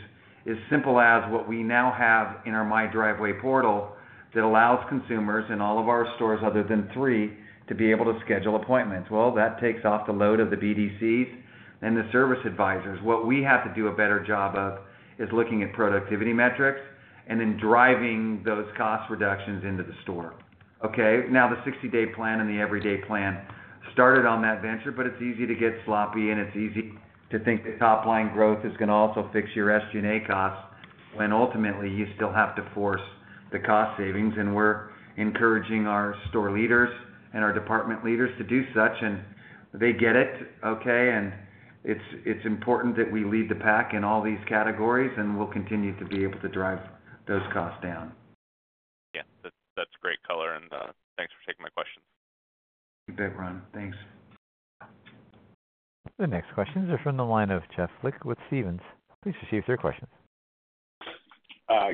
as simple as what we now have in our My Driveway portal, that allows consumers in all of our stores other than three to be able to schedule appointments, that takes off the load of the BDCs and the service advisors. What we have to do a better job of is looking at productivity metrics and then driving those cost reductions into the store. Now the 60 day plan and the everyday plan started on that venture, but it's easy to get sloppy and it's easy to think that top line growth is going to also fix your SG&A costs when ultimately you still have to force the cost savings. We're encouraging our store leaders and our department leaders to do such and they get it. It's important that we lead the pack in all these categories and we'll continue to be able to drive those costs down. Yeah, that's great color, and thanks for taking my questions. You bet, Ron. Thanks. The next questions are from the line of Jeff Lick with Stevens. Please receive your questions.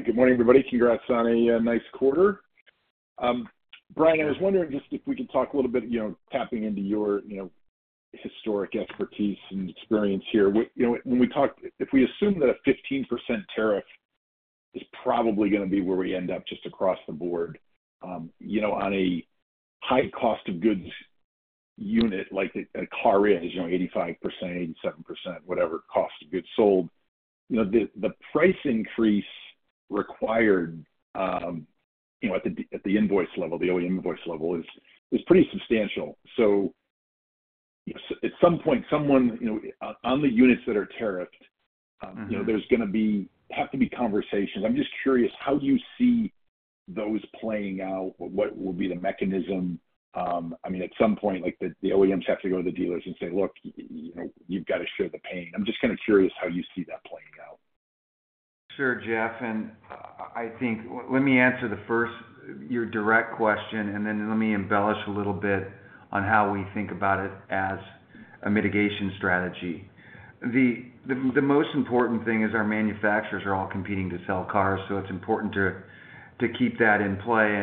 Good morning everybody. Congrats on a nice quarter. Bryan, I was wondering just if we could talk a little bit, tapping into your historic expertise and experience here. When we talk, if we assume that a 15% tariff is probably going to be where we end up just across the board, you know, on a high cost of goods unit like a car is, you know, 85%, 87%, whatever cost of goods sold, you know, the price increase required, you know, at the invoice level. The OEM invoice level is pretty substantial. At some point someone on the units that are tariffed, there's going to have to be conversations. I'm just curious, how do you see those playing out? What will be the mechanism? I mean, at some point the OEMs have to go to the dealers and say, look, you've got to show the pain. I'm just curious how you see that playing out. Sure, Jeff. I think, let me answer first your direct question and then let me embellish a little bit on how we think about it as a mitigation strategy. The most important thing is our manufacturers are all competing to sell cars, so it's important to keep that in play.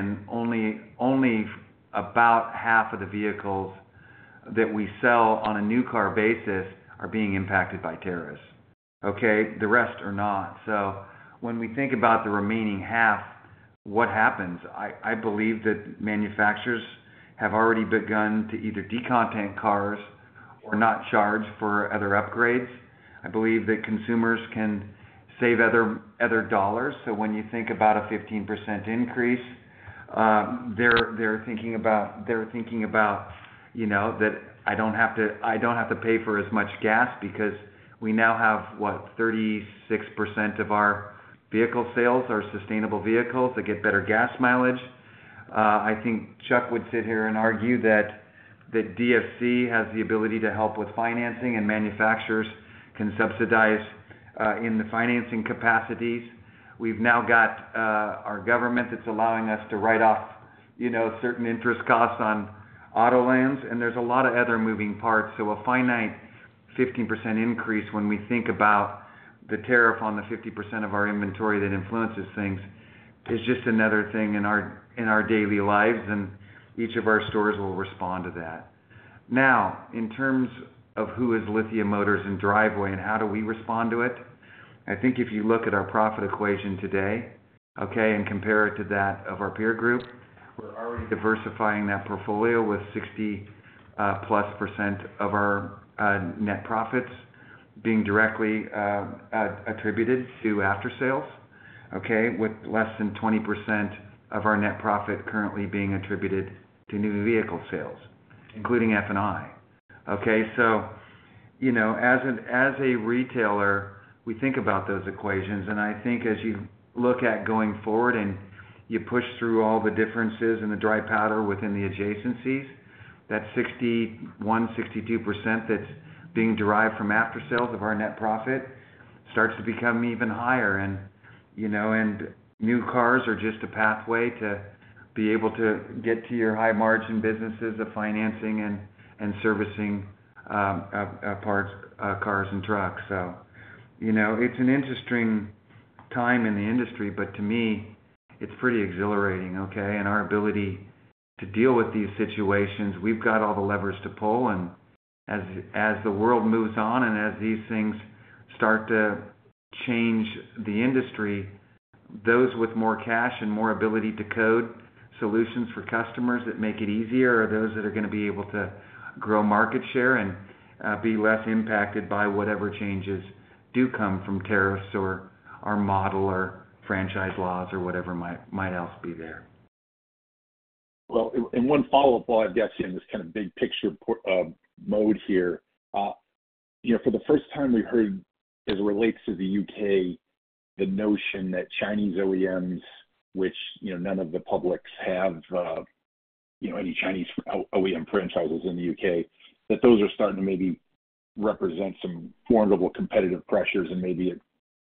Only about half of the vehicles that we sell on a new car basis are being impacted by tariffs. The rest are not. When we think about the remaining half, what happens? I believe that manufacturers have already begun to either decontent cars or not charge for other upgrades. I believe that consumers can save other dollars. When you think about a 15% increase, they're thinking about, you know, that I don't have to pay for as much gas because we now have, what, 30%, 36% of our vehicle sales are sustainable vehicles that get better gas mileage. I think Chuck would sit here and argue that DFC has the ability to help with financing and manufacturers can subsidize in the financing capacities. We've now got our government that's allowing us to write off certain interest costs on auto loans and there's a lot of other moving parts. A finite 15% increase, when we think about the tariff on the 50% of our inventory that influences things, is just another thing in our daily lives. Each of our stores will respond to that. Now, in terms of who is Lithia Motors and Driveway and how do we respond to it, I think if you look at our profit equation today and compare it to that of our peer group, we're already diversifying that portfolio with 60%+ of our net profits being directly attributed to after-sales. With less than 20% of our net profit currently being attributed to new vehicle sales, including F&I. As a retailer, we think about those equations and I think as you look at going forward and you push through all the differences in the dry powder within the adjacency, that 61%, 62% that's being derived from after-sales of our net profit starts to become even higher. New cars are just a pathway to be able to get to your high margin businesses of financing and servicing parts, cars, and trucks. It's an interesting time in the industry, but to me, pretty exhilarating. Our ability to deal with these situations, we've got all the levers to pull. As the world moves on and as these things start to change the industry, those with more cash and more ability to code solutions for customers that make it easier are those that are going to be able to grow market share and be less impacted by whatever changes do come from tariffs or our model or franchise laws or whatever might else be there. In one follow up, while I've got you in this kind of big picture mode here, for the first time we heard as it relates to the U.K. the notion that Chinese OEMs, which none of the publics have any Chinese OEM franchises in the U.K., that those are starting to maybe represent some formidable competitive pressures and maybe it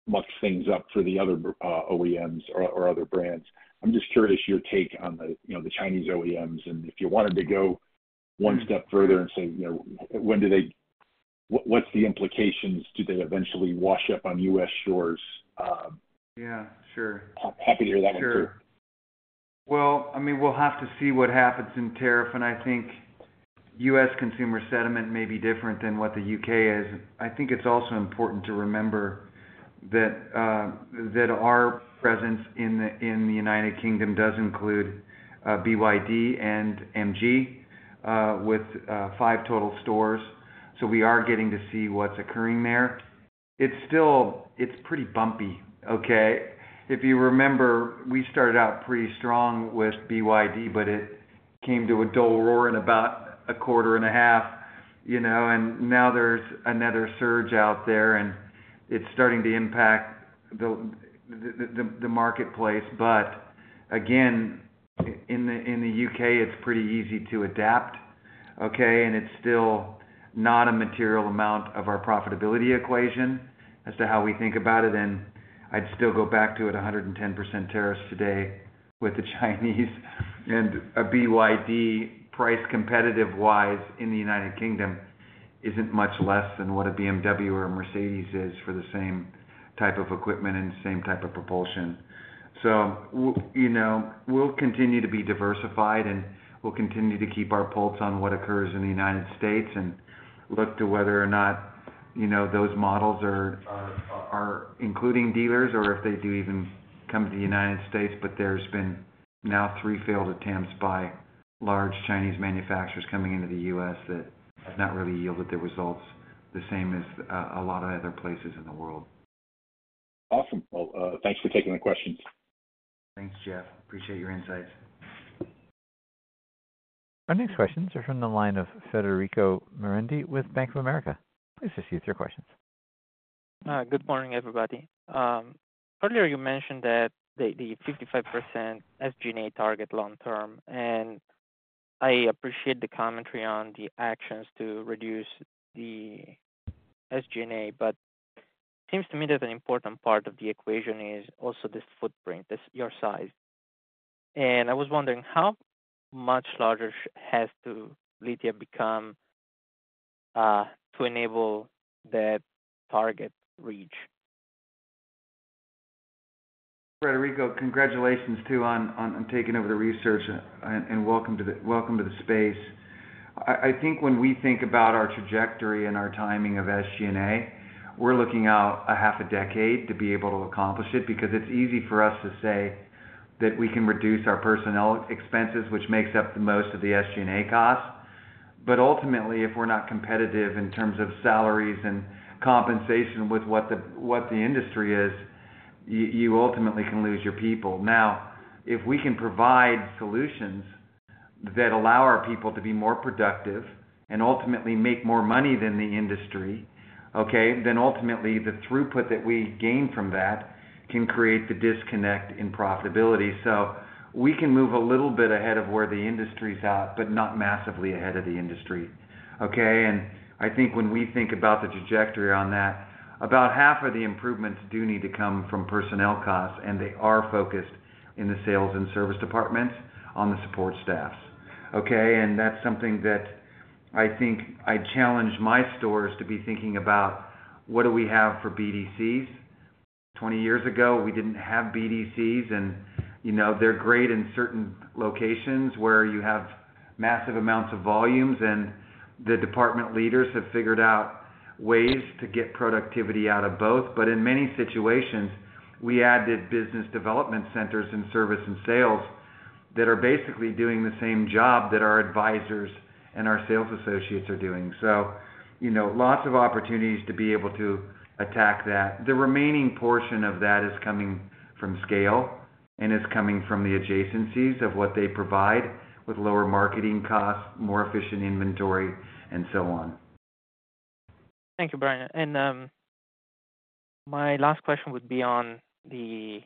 mucks things up for the other OEMs or other brands. I'm just curious your take on the, you know, the Chinese OEMs and if you wanted to go one step further and say, you know, when do they, what's the implications? Do they eventually wash up on U.S. shores? Yeah, sure. Happy to hear that one too. I mean we'll have to see what happens in tariff and I think U.S. consumer sentiment may be different than what the U.K. is. I think it's also important to remember that our presence in the United Kingdom does include BYD and MG with five total stores. We are getting to see what's occurring there. It's still, it's pretty bumpy. If you remember we started out pretty strong with BYD but it came to a dull roar in about a quarter and a half, you know, and now there's another surge out there and it's starting to impact the marketplace. Again, in the U.K. it's pretty easy to adapt. It's still not a material amount of our profitability equation as to how we think about it. I'd still go back to it, 110% tariffs today with the Chinese and a BYD price competitive wise in the United Kingdom isn't much less than what a BMW or a Mercedes is for the same type of equipment and same type of propulsion. You know, we'll continue to be diversified and we'll continue to keep our pulse on what occurs in the United States and look to whether or not those models are including dealers or if they do even come to the United States. There's been now three failed attempts by large Chinese manufacturers coming into the U.S. that have not really yielded their results the same as a lot of other places in the world. Awesome. Thanks for taking the questions. Thanks, Jeff, appreciate your insights. Our next questions are from the line of Federico Merendi with Bank of America. Please receive your questions. Good morning, everybody. Earlier you mentioned the 55% SG&A target long term, and I appreciate the commentary on the actions to reduce the SG&A, but it seems to me that an important part of the equation is also this footprint, your size. I was wondering how much larger has Lithia Motors become to enable that target reach. Federico, congratulations too, on taking over the research, and welcome to the space. I think when we think about our trajectory and our timing of SG&A, we're looking out a half a decade to be able to accomplish it, because it's easy for us to say that we can reduce our personnel expenses, which makes up most of the SG&A costs. Ultimately, if we're not competitive in terms of salaries and compensation with what the industry is, you ultimately can lose your people. If we can provide solutions that allow our people to be more productive and ultimately make more money than the industry, then the throughput that we gain from that can create the disconnect in profitability. We can move a little bit ahead of where the industry's at, but not massively ahead of the industry. I think when we think about the trajectory on that, about half of the improvements do need to come from personnel costs, and they are focused in the sales and service departments, on the support staffs. That's something that I think I challenge my stores to be thinking about. What do we have for BDCs? Twenty years ago, we didn't have BDCs, and they're great in certain locations where you have massive amounts of volumes. The department leaders have figured out ways to get productivity out of both. In many situations, we added business development centers in service and sales that are basically doing the same job that our advisors and our sales associates are doing. Lots of opportunities to be able to attack that. The remaining portion of that is coming from scale and is coming from the adjacencies of what they provide with lower marketing costs, more efficient inventory, and so on. Thank you, Bryan. My last question would be on the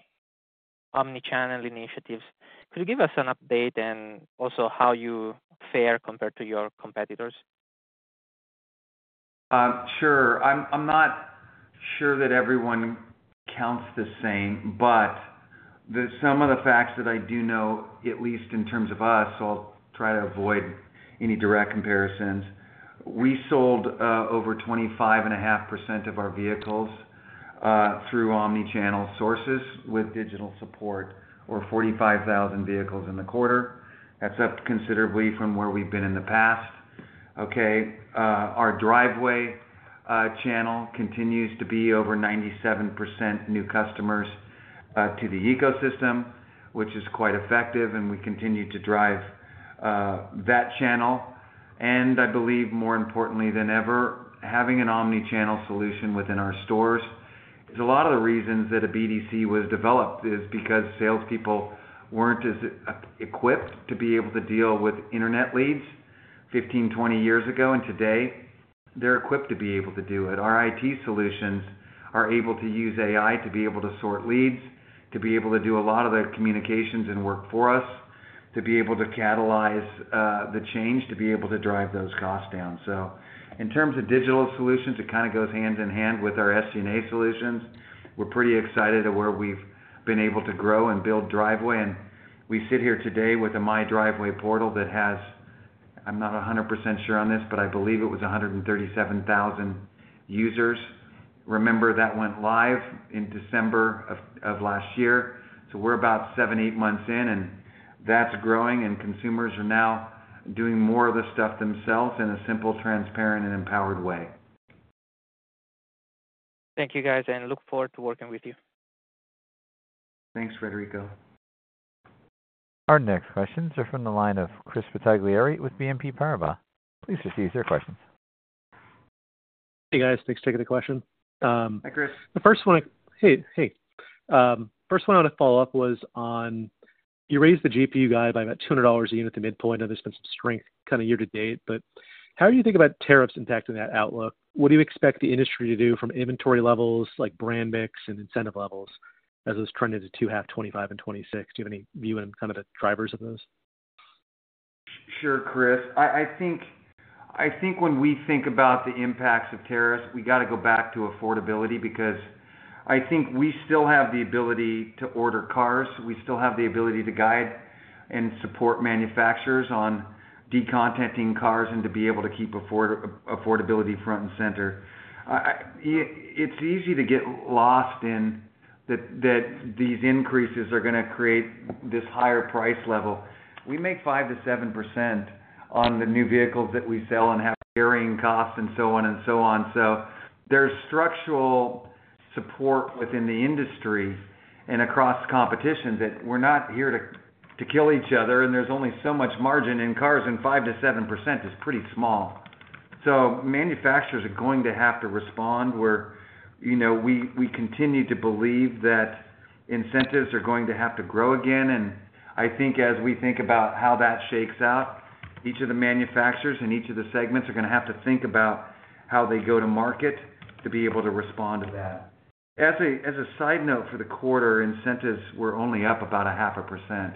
omnichannel initiatives. Could you give us an update on also how you fare compared to your competitors? Sure. I'm not sure that everyone counts the same, but some of the facts that I do know, at least in terms of us, I'll try to avoid any direct comparisons. We sold over 25.5% of our vehicles through omnichannel sources with digital support or 45,000 vehicles in the quarter. That's up considerably from where we've been in the past. Our Driveway channel continues to be over 97% new customers to the ecosystem, which is quite effective. We continue to drive that channel. I believe more importantly than ever, having an omnichannel solution within our stores. A lot of the reasons that a BDC was developed is because sales people weren't as equipped to be able to deal with Internet leads 15, 20 years ago. Today they're equipped to be able to do it. Our IT solutions are able to use AI to be able to sort leads, to be able to do a lot of the communications and work for us, to be able to catalyze the change, to be able to drive those costs down. In terms of digital solutions, it kind of goes hand in hand with our SG&A solutions. We're pretty excited where we've been able to grow and build Driveway and we sit here today with a My Driveway portal that has, I'm not 100% sure on this, but I believe it was 137,000 users. Remember that went live in December of last year. We're about seven, eight months in and that's growing and consumers are now doing more of the stuff themselves in a simple, transparent and empowered way. Thank you, guys, and look forward to working with you. Thanks, Frederico. Our next questions are from the line of Christopher Bottiglieri with BNP Paribas. Please receive your questions. Hey guys, thanks for taking the question. Hi Chris. The first one I want to follow up was on you raised the GPU guide by about $200 a unit to midpoint, and there's been some strength kind of year to date. How do you think about tariffs impacting that outlook? What do you expect the industry to do from inventory levels, like brand mix and incentive levels, as this trend is to 2025 and 2026? Do you have any view on the drivers of those? Sure, Chris. I think when we think about the impacts of tariffs, we got to go back to affordability because I think we still have the ability to order cars. We still have the ability to guide and support manufacturers on decontenting cars and to be able to keep affordability front and center. It's easy to get lost in that these increases are going to create this higher price level. We make 5%-7% on the new vehicles that we sell and have carrying costs and so on and so on. There is structural support within the industry and across competition that we're not here to kill each other. There is only so much margin in cars and 5%-7% is pretty small. Manufacturers are going to have to respond where, you know, we continue to believe that incentives are going to have to grow again. I think as we think about how that shakes out, each of the manufacturers in each of the segments are going to have to think about how they go to market to be able to respond to that. As a side note, for the quarter, incentives were only up about 0.5%.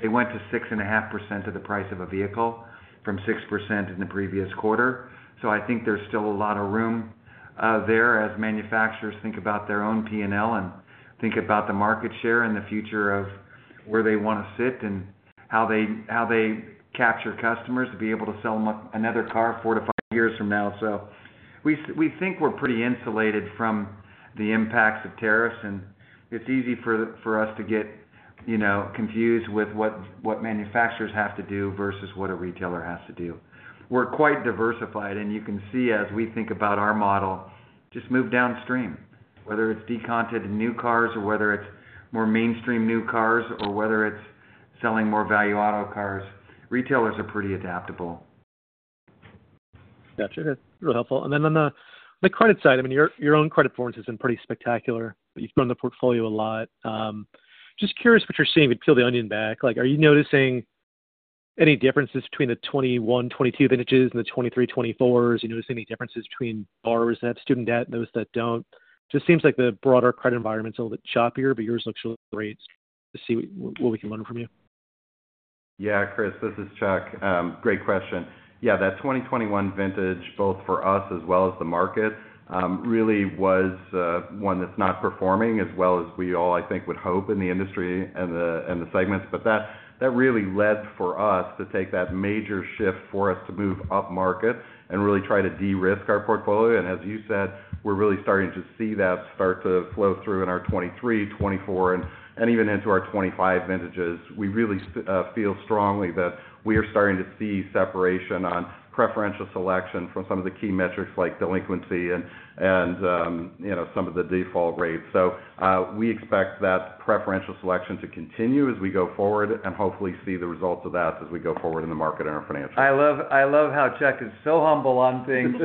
They went to 6.5% of the price of a vehicle from 6% in the previous quarter. I think there's still a lot of room there as manufacturers think about their own P&L and think about the market share and the future of where they want to sit and how they capture customers to be able to sell them another car four to five years from now. We think we're pretty insulated from the impacts of tariffs and it's easy for us to get confused with what manufacturers have to do versus what a retailer has to do. We're quite diversified and you can see as we think about our model just move downstream. Whether it's decontent new cars or whether it's more mainstream new cars or whether it's selling more value auto cars, retailers are pretty adaptable. Gotcha. Real helpful. On the credit side, I mean, your own credit performance has been pretty spectacular. You've grown the portfolio a lot. Just curious what you're seeing to peel the onion back. Are you noticing any differences between the 2021-2022 vintages and the 2023-2024s? Are you noticing any differences between borrowers that have student debt and those that don't? It just seems like the broader credit environment's a little bit choppier. Yours looks really great to see what we can learn from you. Yeah, Chris, this is Chuck. Great question. Yeah, that 2021 vintage, both for us as well as the market, really was one that's not performing as well as we all, I think, would hope in the industry and the segments. That really led for us to take that major shift for us to move up market and really try to derisk our portfolio. As you said, we're really starting to see that start to flow through in our 2023, 2024, and even into our 2025 vintages. We really feel strongly that we are starting to see separation on preferential selection from some of the key metrics like delinquency and some of the default rates. We expect that preferential selection to continue as we go forward and hopefully see the results of that as we go forward in the market and our financials. I love how Chuck is so humble on things.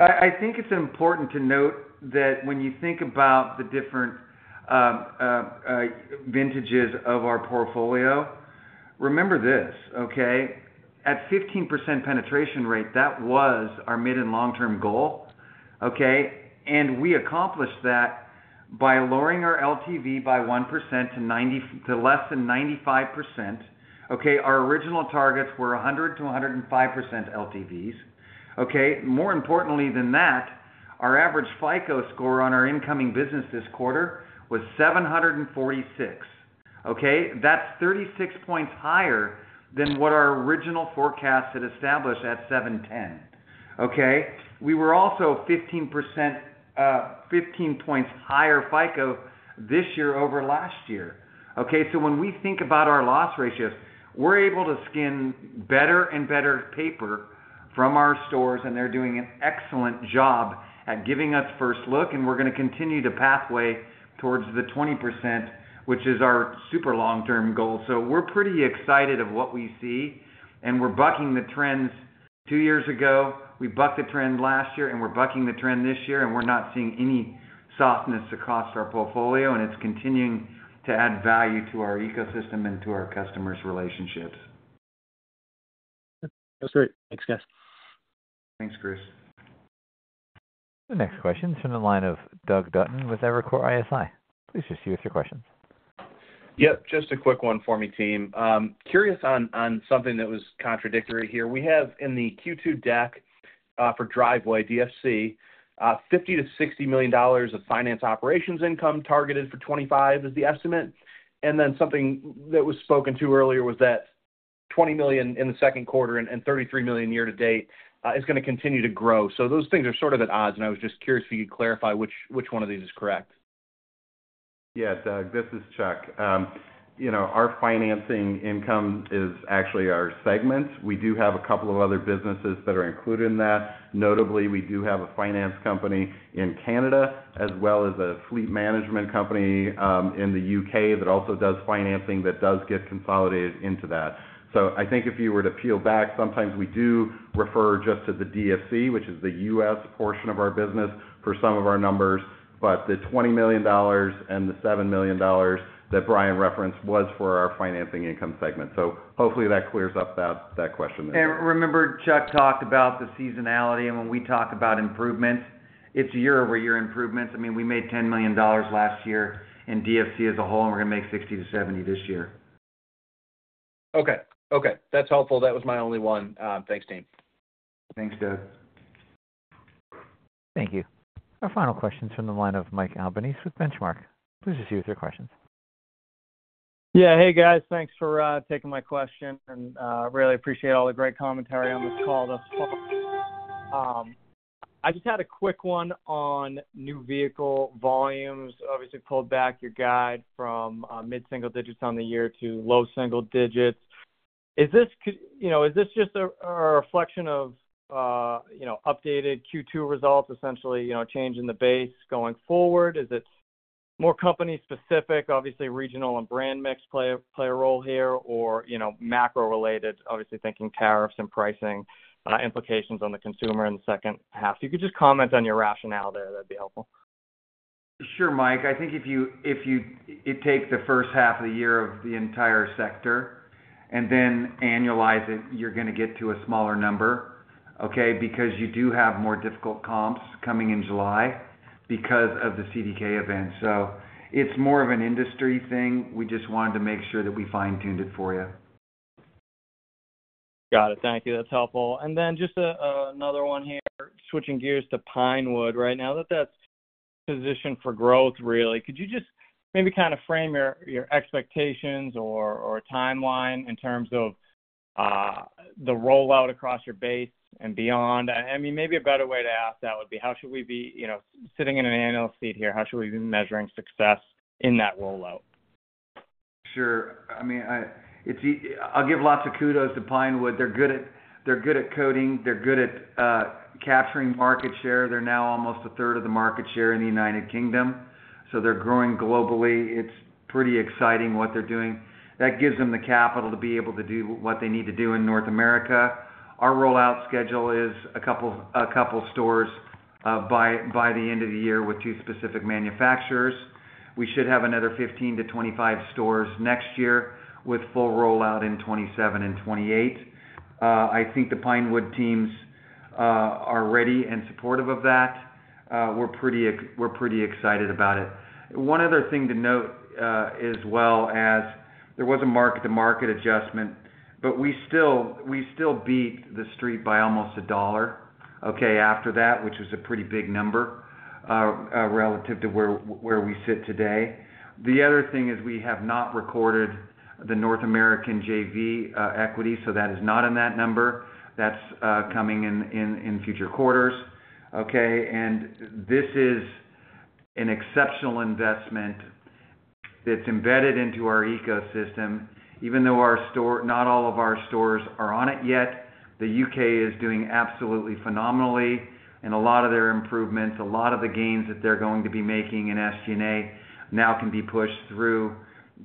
I think it's important to note that when you think about the different vintages of our portfolio. Remember this at 15% penetration rate, that was our mid and long term goal, and we accomplished that by lowering our LTV by 1% -90% to less than 95%. Our original targets were 100%-105% LTVs. More importantly than that, our average FICO score on our incoming business this quarter was 746. That's 36 points higher than what our original forecast had established at 710. We were also 15%, 15 points higher FICO this year over last year. When we think about our loss ratios, we're able to skin better and better paper from our stores, and they're doing an excellent job at giving us first look, and we're going to continue the pathway towards the 20%, which is our super long term goal. We're pretty excited of what we see, and we're bucking the trends. Two years ago we bucked the trend, last year, and we're bucking the trend this year, and we're not seeing any softness across our portfolio, and it's continuing to add value to our ecosystem and to our customers' relationships. That was great. Thanks, guys. Thanks Chris. The next question is from the line of Douglas Dutton with Evercore ISI. Please proceed with your questions. Yep, just a quick one for me. Team, curious on something that was contradictory here. We have in the Q2 deck for Driveway Finance Corporation $50 million-$60 million of finance operations income targeted for 2025 is the estimate. Something that was spoken to earlier was that $20 million in the second quarter and $33 million year to date is going to continue to grow. Those things are sort of at odds. I was just curious if you could clarify which one of these is correct. Yeah, Doug, this is Chuck. Our financing income is actually our segment. We do have a couple of other businesses that are increasing. Notably, we do have a finance company in Canada as well as a fleet management company in the U.K. that also does financing that does get consolidated into that. I think if you were to peel back, sometimes we do refer just to the DFC, which is the U.S. portion of our business for some of our numbers. The $20 million and the $7 million that Bryan referenced was for our financing income segment. Hopefully that clears up that question. Remember, Chuck Lietz talked about the seasonality, and when we talk about improvements, it's year-over-year improvements. I mean, we made $10 million last year in Driveway Finance Corporation as a whole, and we're going to make $60 million-$70 million this year. Okay, that's helpful. That was my only one. Thanks, team. Thanks, Doug. Thank you. Our final question is from the line of Michael Albanese with Benchmark. Please proceed with your questions. Yeah. Hey guys, thanks for taking my question and really appreciate all the great commentary on this call. I just had a quick one on new vehicle volumes. Obviously pulled back your guide from mid-single-digits on the year to low-single-digits. Is this just a reflection of updated Q2 results? Essentially, change in the base going forward. Is it more company specific? Obviously regional and brand mix play a role here. Or macro related? Obviously thinking tariffs and pricing implications on the consumer in the second half. If you could just comment on your rationale there, that'd be helpful. Sure. Mike, I think if you take the first half of the year of the entire sector and then annualize it, you're going to get to a smaller number. You do have more difficult comps coming in July because of the CDK event. It's more of an industry thing. We just wanted to make sure that we fine tuned it for you. Got it. Thank you. That's helpful. Just another one here. Switching gears to Pinewood right now that that's positioned for growth. Could you just maybe kind of frame your expectations or timeline in terms of the rollout across your base and beyond? Maybe a better way to ask that would be how should we be, you know, sitting in an analyst seat here, how should we be measuring success in that rollout? Sure. I'll give lots of kudos to Pinewood. They're good at coding, they're good at capturing market share. They're now almost a third of the market share in the United Kingdom. They're growing globally. It's pretty exciting what they're doing. That gives them the capital to be able to do what they need to do in North America. Our rollout schedule is a couple stores by the end of the year with two specific manufacturers. We should have another 15-25 stores next year with full rollout in 2027 and 2028. I think the Pinewood teams are ready and supportive of that. We're pretty excited about it. One other thing to note as well is there was a mark-to-market adjustment, but we still beat the street by almost $1 after that, which was a pretty big number relative to where we sit today. The other thing is we have not recorded the North American JV equity. That is not in that number. That's coming in future quarters. This is an exceptional investment that's embedded into our ecosystem even though not all of our stores are on it yet. The United Kingdom is doing absolutely phenomenally and a lot of their improvements, a lot of the gains that they're going to be making in SG&A now can be pushed through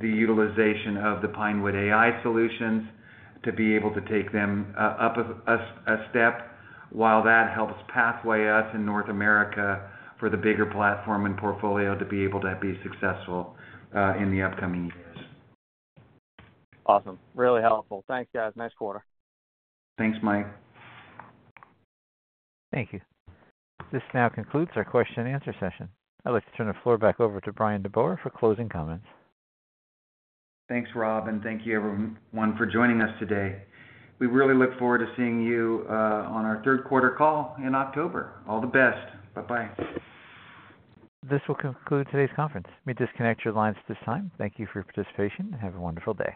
the utilization of the Pinewood AI solutions to be able to take them up a step while that helps pathway us in North America for the bigger platform and portfolio to be able to be successful in the upcoming years. Awesome. Really helpful. Thanks, guys. Next quarter. Thanks, Mike. Thank you. This now concludes our question-and-answer session. I'd like to turn the floor back over to Bryan DeBoer for closing comments. Thanks Rob. Thank you everyone for joining us today. We really look forward to seeing you on our third quarter call in October. All the best. Bye-bye. This will conclude today's conference. You may disconnect your lines at this time. Thank you for your participation. Have a wonderful day.